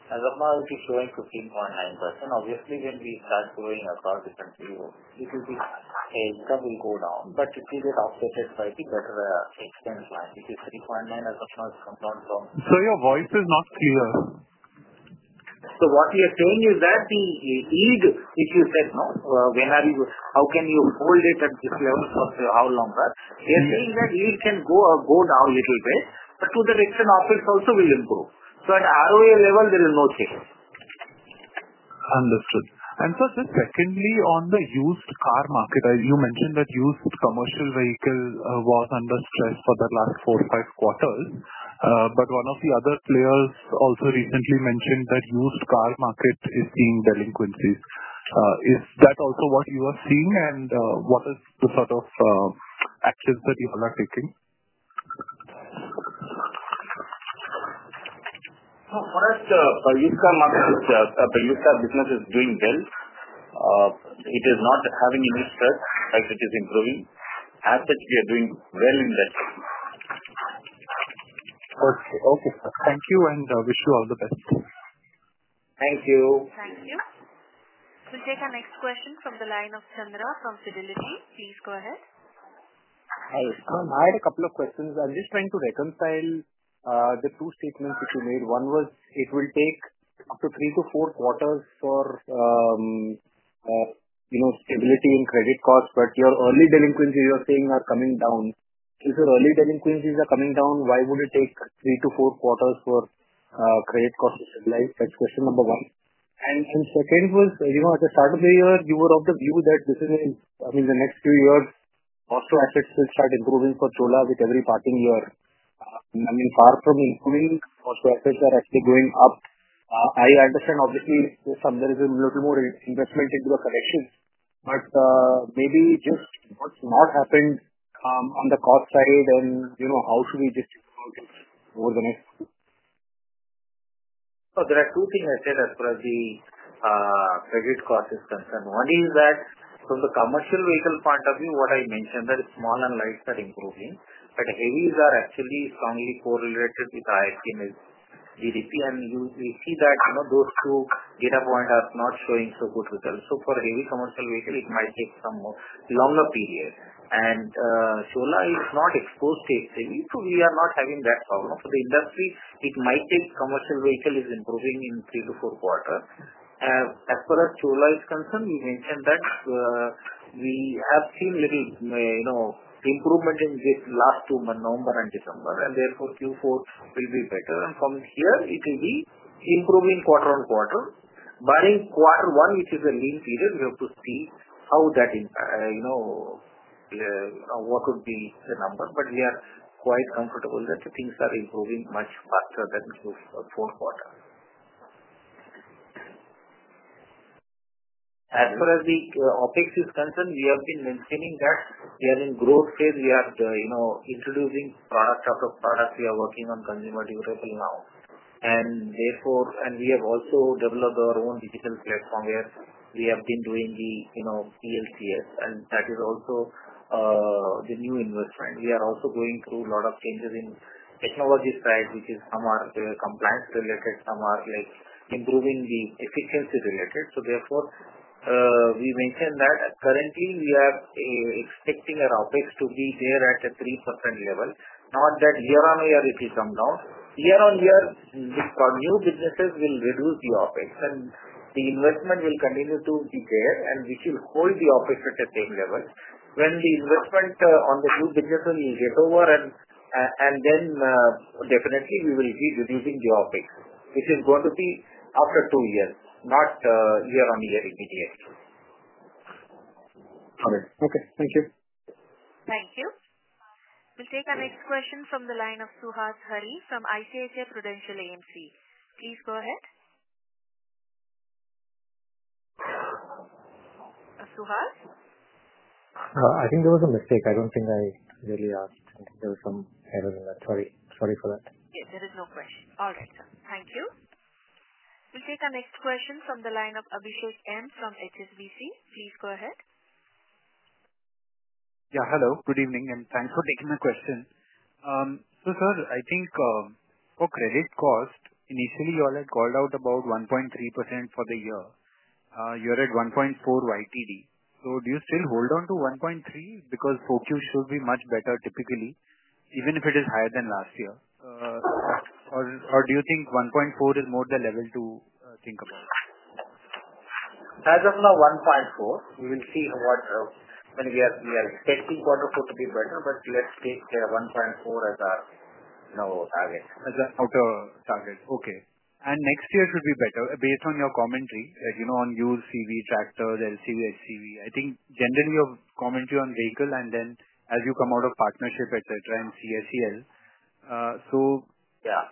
S5: asset margin is showing 15.9%. Obviously, when we start growing across the country, it will be a little bit, will go down, but it will get offset by the better expense line, which is 3.9% as of now, has come down from. So your voice is not clear.
S15: What we are saying is that the yield, if you said, "No, how can you hold it at this level for how long?" They are saying that yield can go down a little bit, but to the extent of it also will improve. At ROA level, there is no change.
S5: Understood. And sir, just secondly, on the used car market, you mentioned that used commercial vehicle was under stress for the last four or five quarters. But one of the other players also recently mentioned that used car market is seeing delinquencies. Is that also what you are seeing, and what are the sort of actions that you all are taking? So, for the used car business is doing well. It is not having any stress. Right, it is improving. As such, we are doing well in that.
S15: Okay. Thank you, and wish you all the best.
S5: Thank you.
S1: Thank you. We'll take our next question from the line of Chandra from Fidelity. Please go ahead.
S16: Hi. I had a couple of questions. I'm just trying to reconcile the two statements that you made. One was it will take up to three to four quarters for stability in credit costs, but your early delinquencies you are saying are coming down. If your early delinquencies are coming down, why would it take three to four quarters for credit costs to stabilize? That's question number one. And second was, at the start of the year, you were of the view that this is, I mean, the next few years, also assets will start improving for Chola with every passing year. I mean, far from improving, also assets are actually going up. I understand, obviously, there is a little more investment into the collection, but maybe just what's happened on the cost side and how should we just move forward to model the next two?
S5: There are two things I said as far as the credit cost is concerned. One is that from the commercial vehicle point of view, what I mentioned, that small and light are improving, but heavies are actually strongly correlated with highest GDP. We see that those two data points are not showing so good results. For heavy commercial vehicle, it might take some longer period. Chola is not exposed to HCV, so we are not having that problem. For the industry, it might take commercial vehicle is improving in three to four quarters. As far as Chola is concerned, we mentioned that we have seen little improvement in this last two months, November and December, and therefore Q4 will be better. From here, it will be improving quarter on quarter. But in quarter one, which is a lean period, we have to see how that impact, what would be the number. But we are quite comfortable that things are improving much faster than Q4 quarter. As far as the OpEx is concerned, we have been maintaining that. We are in growth phase. We are introducing product after product. We are working on consumer durable now. And we have also developed our own digital platform where we have been doing the PLCS, and that is also the new investment. We are also going through a lot of changes in technology side, which, some are compliance related, some are improving the efficiency related, so therefore we mentioned that currently we are expecting our OpEx to be there at a 3% level, not that year on year it will come down. Year on year, for new businesses, we'll reduce the OpEx, and the investment will continue to be there, and we should hold the OpEx at the same level. When the investment on the new businesses will get over, and then definitely we will be reducing the OpEx, which is going to be after two years, not year on year immediately.
S16: Got it. Okay. Thank you.
S1: Thank you. We'll take our next question from the line of Suhas Hari from ICICI Prudential AMC. Please go ahead. Suhas?
S17: I think there was a mistake. I don't think I really asked. I think there was some error in that. Sorry. Sorry for that.
S1: There is no question. All right, sir. Thank you. We'll take our next question from the line of Abhishek M from HSBC. Please go ahead.
S18: Yeah. Hello. Good evening, and thanks for taking my question. So sir, I think for credit cost, initially you all had called out about 1.3% for the year. You're at 1.4 YTD. So do you still hold on to 1.3% because 4Q should be much better typically, even if it is higher than last year? Or do you think 1.4% is more the level to think about?
S5: As of now, 1.4. We will see when we are expecting quarter four to be better, but let's take 1.4 as our target.
S18: As an outer target. Okay, and next year should be better. Based on your commentary on used CV, tractor, the LCV, HCV, I think generally your commentary on vehicle and then as you come out of partnership, etc., and CSEL. So.
S5: Yeah.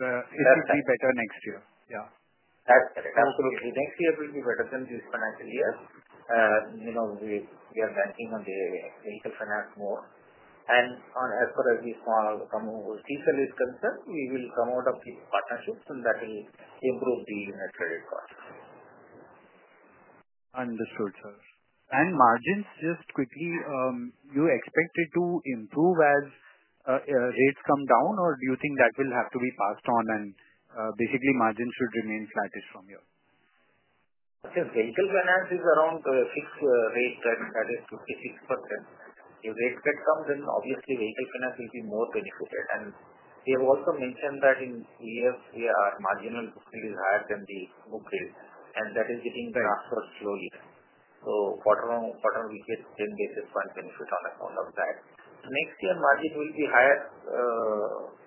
S18: It should be better next year. Yeah.
S5: That's correct. Absolutely. Next year will be better than this financial year. We are banking on the vehicle finance more. And as far as the small CSEL is concerned, we will come out of the partnership, and that will improve the unit credit cost.
S18: Understood, sir. And margins, just quickly, you expect it to improve as rates come down, or do you think that will have to be passed on and basically margins should remain flattish from here?
S5: Sir, vehicle finance is around fixed rate that is 56%. If rate cut comes, then obviously vehicle finance will be more benefited, and we have also mentioned that in years, our marginal book yield is higher than the book yield, and that is getting transferred slowly, so quarter on quarter, we get 10 basis points benefit on account of that. Next year, margin will be higher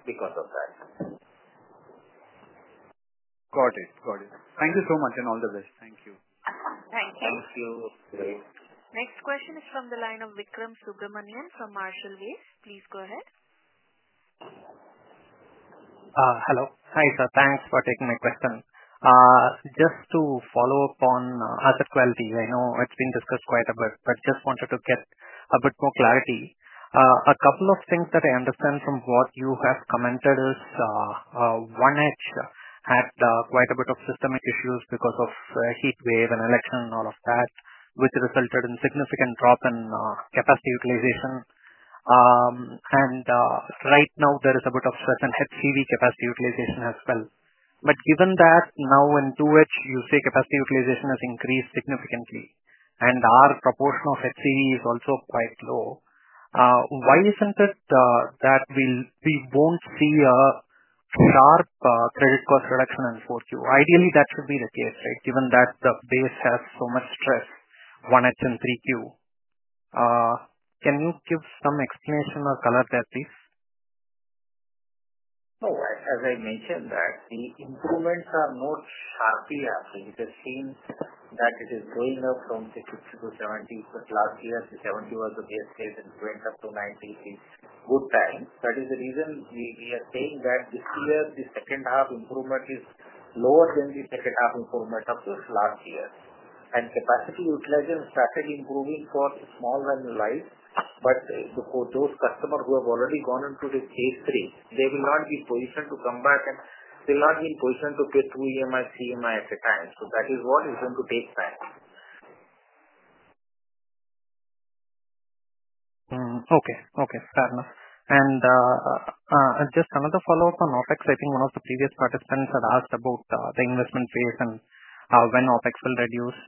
S5: because of that.
S18: Got it. Got it. Thank you so much and all the best. Thank you.
S1: Thank you.
S5: Thank you.
S1: Next question is from the line of Vikram Subramanian from Marshall Wace. Please go ahead.
S19: Hello. Hi, sir. Thanks for taking my question. Just to follow up on asset quality, I know it's been discussed quite a bit, but just wanted to get a bit more clarity. A couple of things that I understand from what you have commented is 1Q had quite a bit of system issues because of heat wave and election and all of that, which resulted in significant drop in capacity utilization. And right now, there is a bit of stress on HCV capacity utilization as well. But given that now in 2Q, you say capacity utilization has increased significantly, and our proportion of HCV is also quite low, why isn't it that we won't see a sharp credit cost reduction in 4Q? Ideally, that should be the case, right, given that the base has so much stress, 1Q and 3Q. Can you give some explanation or color there, please?
S5: So as I mentioned, the improvements are not sharply happening. It has seen that it is going up from 60 to 70, but last year, the 70 was the base state, and it went up to 90. It's good time. That is the reason we are saying that this year, the second half improvement is lower than the second half improvement of last year. And capacity utilization started improving for small and light, but for those customers who have already gone into the phase III, they will not be positioned to come back, and they will not be in position to pay two EMI, three EMI at a time. So that is what is going to take time.
S19: Okay. Okay. Fair enough. And just another follow-up on OpEx. I think one of the previous participants had asked about the investment phase and when OpEx will reduce.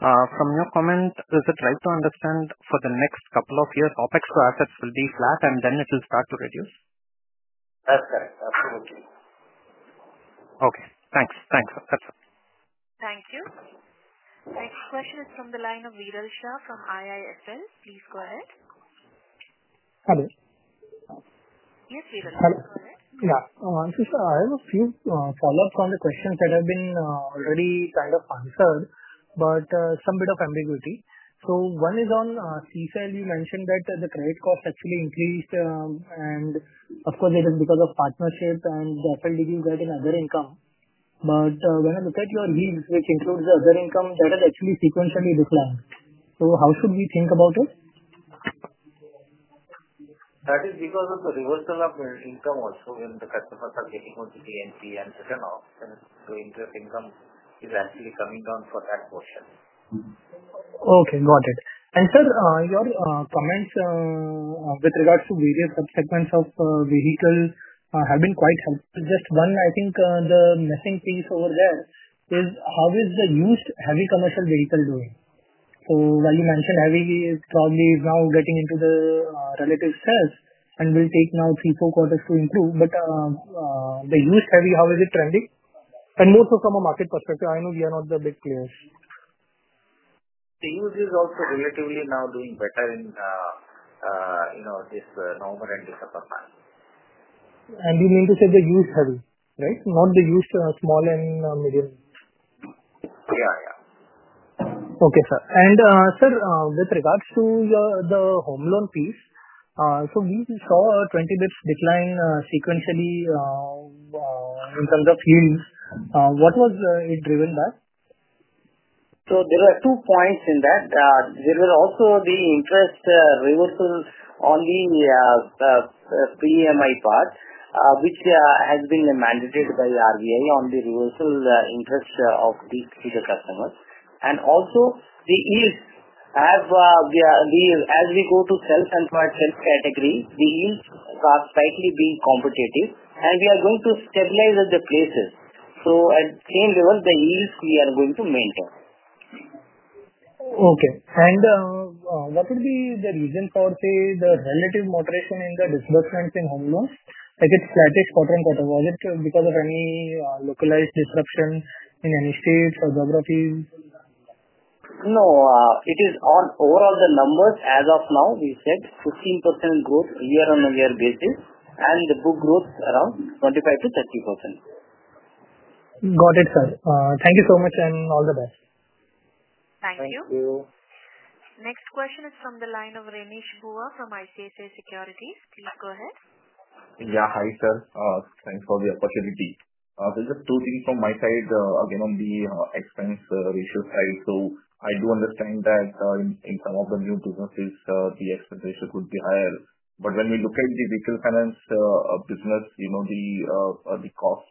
S19: From your comment, is it right to understand for the next couple of years, OpEx to assets will be flat, and then it will start to reduce?
S5: That's correct. Absolutely.
S19: Okay. Thanks. Thanks. That's all.
S1: Thank you. Next question is from the line of Viral Shah from IIFL. Please go ahead.
S20: Hello.
S1: Yes, Viral Shah.
S20: Hello.
S1: Go ahead.
S20: Yeah. Sir, I have a few follow-ups on the questions that have been already kind of answered, but some bit of ambiguity. One is on CSEL. You mentioned that the credit cost actually increased, and of course, it is because of partnership and the FLDGs that have other income. But when I look at your yields, which includes the other income, that has actually sequentially declined. How should we think about it?
S5: That is because of the reversal of income also when the customers are getting onto NPA and runoff, and the interest income is actually coming down for that portion.
S20: Okay. Got it. And sir, your comments with regards to various subsegments of vehicle have been quite helpful. Just one, I think the missing piece over there is how is the used heavy commercial vehicle doing? So while you mentioned heavy, it probably is now getting into the relative stress and will take now three, four quarters to improve, but the used heavy, how is it trending? And more so from a market perspective. I know we are not the big players.
S5: The used is also relatively now doing better in the normal and the upper market.
S20: And you mean to say the used heavy, right? Not the used small and medium?
S5: Yeah. Yeah.
S20: Okay. Sir. And sir, with regards to the home loan piece, so we saw a 20 basis points decline sequentially in terms of yields. What was it driven by?
S5: There were two points in that. There was also the interest reversal on the 3 EMI part, which has been mandated by RBI on the reversal interest of these particular customers. Also, the yields have the as we go to self-employed, self-category, the yields are slightly being competitive, and we are going to stabilize at the places. At the same level, the yields we are going to maintain.
S20: Okay. And what would be the reason for, say, the relative moderation in the disbursements in home loans? I get flatish quarter on quarter. Was it because of any localized disruption in any states or geographies?
S5: No. It is on the overall numbers as of now. We said 15% growth year-on-year basis, and the book growth around 25%-30%.
S20: Got it, sir. Thank you so much and all the best.
S1: Thank you.
S5: Thank you.
S1: Next question is from the line of Renish Bhuva from ICICI Securities. Please go ahead.
S21: Yeah. Hi, sir. Thanks for the opportunity. So just two things from my side, again, on the expense ratio side. So I do understand that in some of the new businesses, the expense ratio could be higher. But when we look at the vehicle finance business, the cost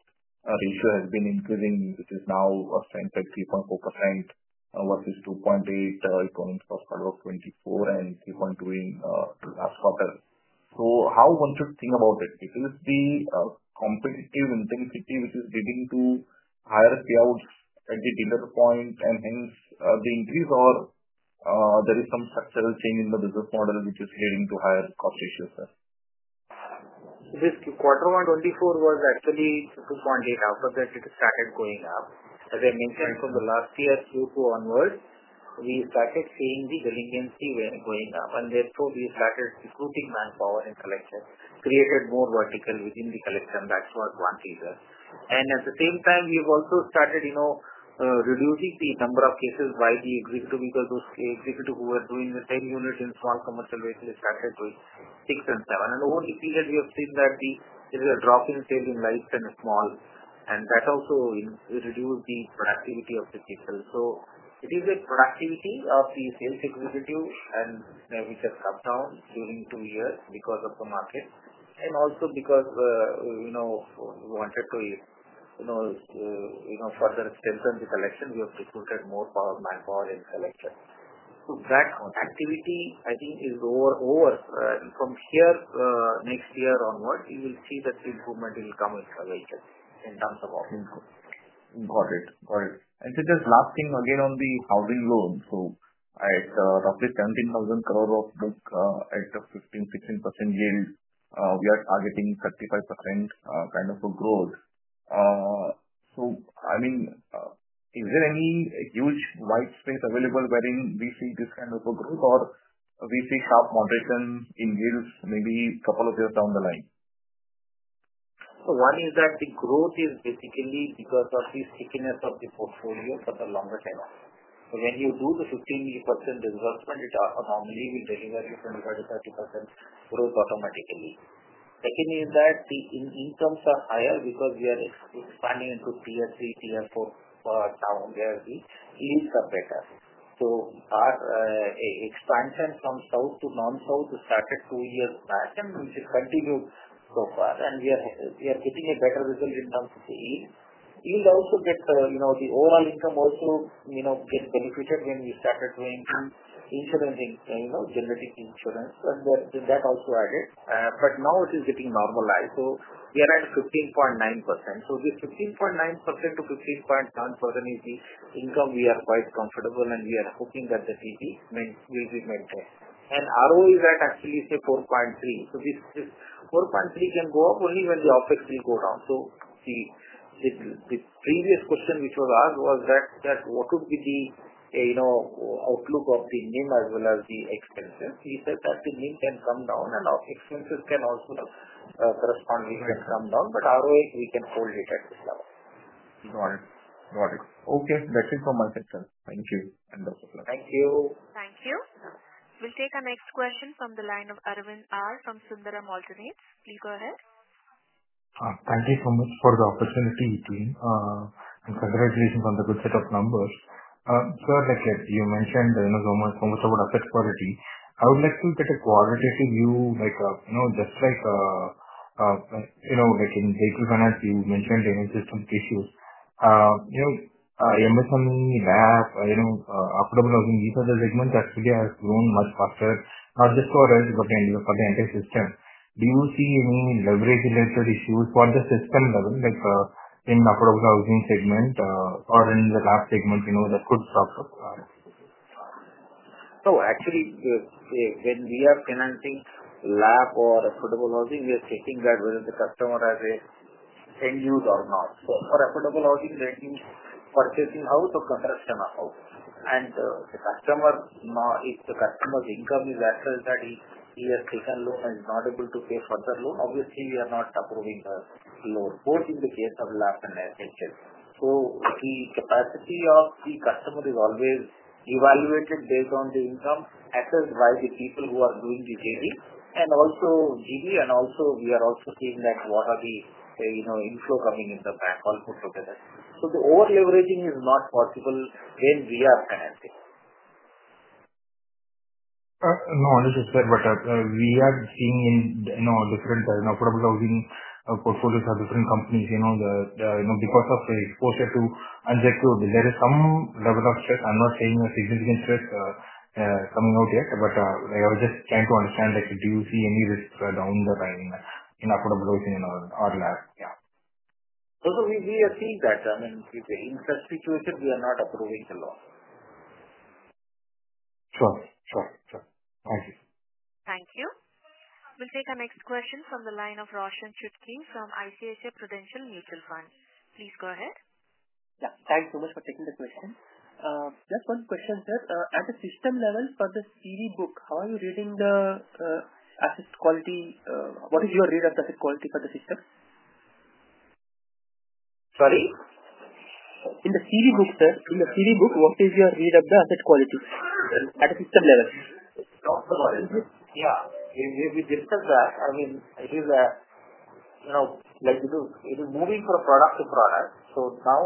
S21: ratio has been increasing, which is now at 3.4% versus 2.8% in the first quarter of 2024 and 3.2% in the last quarter. So how one should think about it? It is the competitive intensity, which is leading to higher payouts at the dealer point, and hence the increase or there is some structural change in the business model, which is leading to higher cost issues, sir.
S5: This quarter one, 24, was actually 2.8%. After that it started going up. As I mentioned, from the last year Q2 onwards, we started seeing the delinquency going up, and therefore we started recruiting manpower in collection, created more vertical within the collection. That's what one figure. And at the same time, we have also started reducing the number of cases by the executive because those executives who were doing the 10 units in small commercial vehicles started doing six and seven. And over the period, we have seen that there is a drop in sales in lights and small, and that also reduced the productivity of the people. It is the productivity of the sales executive and which has come down during two years because of the market. And also because we wanted to further extend the collection, we have recruited more manpower in collection. So that activity, I think, is over. From here, next year onwards, you will see that the improvement will come in the vehicle in terms of opportunity.
S21: Got it. Got it. And sir, just last thing again on the housing loan. So at roughly INR 17,000 crores of book at 15%-16% yield, we are targeting 35% kind of a growth. So I mean, is there any huge white space available wherein we see this kind of a growth, or we see sharp moderation in yields maybe a couple of years down the line?
S5: One is that the growth is basically because of the stickiness of the portfolio for the longer term. When you do the 15% disbursement, it normally will deliver you 25%-30% growth automatically. Second is that the incomes are higher because we are expanding into Tier 2, Tier 3, Tier 4 towns where the yields are better. Our expansion from south to non-south started two years back and which has continued so far, and we are getting a better result in terms of the yield. Yield also gets the overall income also gets benefited when we started doing insurance, generating insurance, and that also added. But now it is getting normalized. We are at 15.9%. This 15.9% to 15.9% is the income we are quite comfortable, and we are hoping that the yield will be maintained. ROE is at actually say 4.3%. So this 4.3 can go up only when the OpEx will go down. So the previous question which was asked was that what would be the outlook of the NIM as well as the expenses? We said that the NIM can come down and expenses can also correspondingly come down, but ROE we can hold it at this level.
S21: Got it. Got it. Okay. That's it from my side, sir. Thank you. And that's all.
S5: Thank you.
S1: Thank you. We'll take a next question from the line of Arvind R. from Sundaram Alternates. Please go ahead.
S22: Thank you so much for the opportunity, and congratulations on the good set of numbers. Sir, like you mentioned, so much about asset quality. I would like to get a qualitative view, just like in vehicle finance, you mentioned any system issues. SME and LAP, affordable housing, these are the segments that really have grown much faster, not just for us, but for the entire system. Do you see any leverage-related issues for the system level, like in affordable housing segment or in the LAP segment that could stop?
S5: Actually, when we are financing LAP or affordable housing, we are checking that whether the customer has a 10 unit or not. For affordable housing, that means purchasing house or construction of house. If the customer's income is such that he has taken loan and is not able to pay further loan, obviously we are not approving the loan, both in the case of LAP and affordable. The capacity of the customer is always evaluated based on the income assessed by the people who are doing the PD and also GD, and also we are seeing that what are the inflows coming in the bank, all put together. The over-leveraging is not possible when we are financing.
S22: No, understood, sir. But we are seeing in different affordable housing portfolios of different companies, because of exposure to unchecked growth, there is some level of stress. I'm not saying a significant stress coming out yet, but I was just trying to understand, do you see any risks down the line in affordable housing or LAP? Yeah.
S5: No, so we are seeing that. I mean, with the interest situation, we are not approving the loan.
S22: Sure. Thank you.
S1: Thank you. We'll take a next question from the line of Roshan Chutkey from ICICI Prudential Mutual Fund. Please go ahead.
S23: Yeah. Thanks so much for taking the question. Just one question, sir. At the system level for the CV book, how are you reading the asset quality? What is your read of the asset quality for the system?
S5: Sorry?
S23: In the CV book, sir, what is your read of the asset quality at the system level?
S5: Yeah. We discussed that. I mean, it is like it is moving from product to product. So now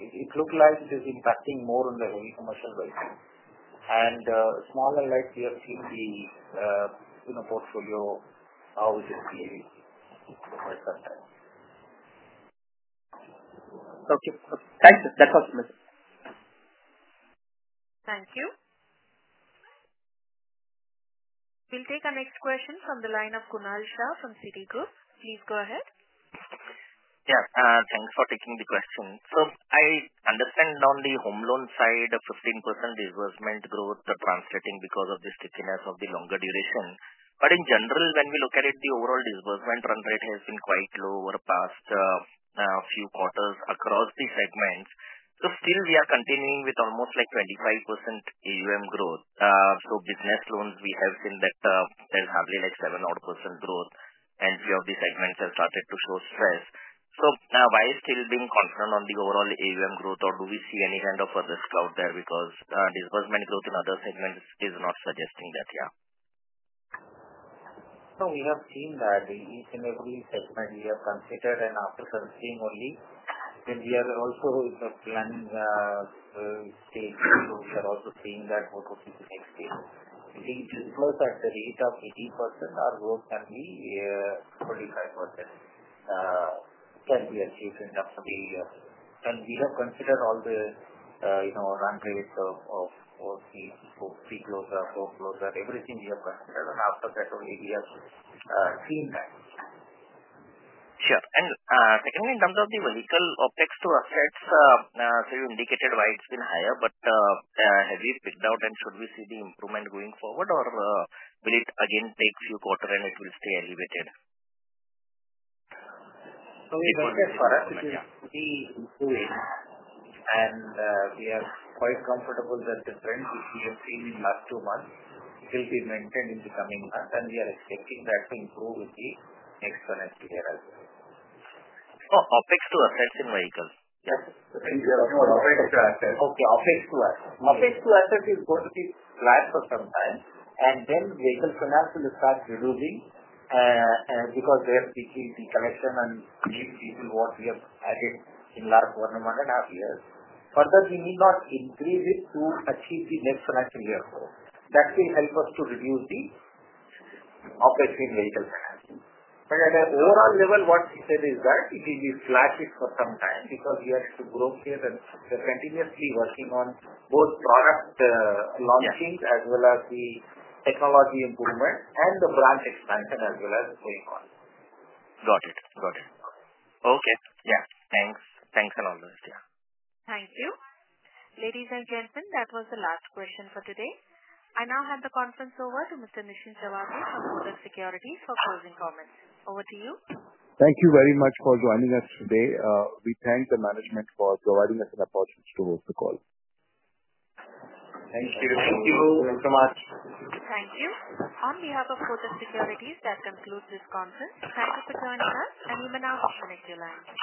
S5: it looks like it is impacting more on the heavy commercial vehicle, and small and light, we have seen the portfolio how it is behaving quite sometimes.
S23: Okay. Thanks. That's all from my side.
S1: Thank you. We'll take a next question from the line of Kunal Shah from Citi. Please go ahead.
S24: Yeah. Thanks for taking the question. So I understand on the home loan side, 15% disbursement growth translating because of the stickiness of the longer duration. But in general, when we look at it, the overall disbursement run rate has been quite low over the past few quarters across the segments. So still, we are continuing with almost like 25% AUM growth. So business loans, we have seen that there's hardly like 7% growth, and a few of the segments have started to show stress. So now, why is still being confident on the overall AUM growth, or do we see any kind of a risk out there because disbursement growth in other segments is not suggesting that? Yeah.
S5: So we have seen that each and every segment we have considered and after considering only, then we are also planning to also seeing that what would be the next stage. We see disbursed at the rate of 18%. Our growth can be 45% can be achieved in terms of the and we have considered all the run rates of 3Q, 4Q, everything we have considered, and after that, we have seen that.
S24: Sure. And secondly, in terms of the vehicle OpEx to assets, so you indicated why it's been higher, but have you picked out and should we see the improvement going forward, or will it again take a few quarters and it will stay elevated?
S5: We think it's for us, yeah, to be improving, and we are quite comfortable that the trend which we have seen in the last two months will be maintained in the coming months, and we are expecting that to improve in the next financial year as well.
S24: So OpEx to assets in vehicles?
S5: Yes.
S24: Okay.
S5: OpEx to assets. OpEx to assets is going to be flat for some time, and then vehicle finance will start reducing because we have decreased the collection and increased what we have added in the last one and a half years. Further, we need not increase it to achieve the next financial year goal. That will help us to reduce the OpEx in vehicle financing. But at an overall level, what we said is that it will be flat for some time because we have to grow here, and we're continuously working on both product launching as well as the technology improvement and the branch expansion as well as going on.
S24: Got it. Got it. Okay. Yeah. Thanks. Thanks a lot for this. Yeah.
S1: Thank you. Ladies and gentlemen, that was the last question for today. I now hand the conference over to Mr. Nischint Chawathe from Kotak Securities for closing comments. Over to you.
S2: Thank you very much for joining us today. We thank the management for providing us an opportunity to host the call.
S6: Thank you.
S5: Thank you so much.
S2: Thank you. On behalf of Kotak Securities, that concludes this conference. Thank you for joining us, and we may now disconnect your line.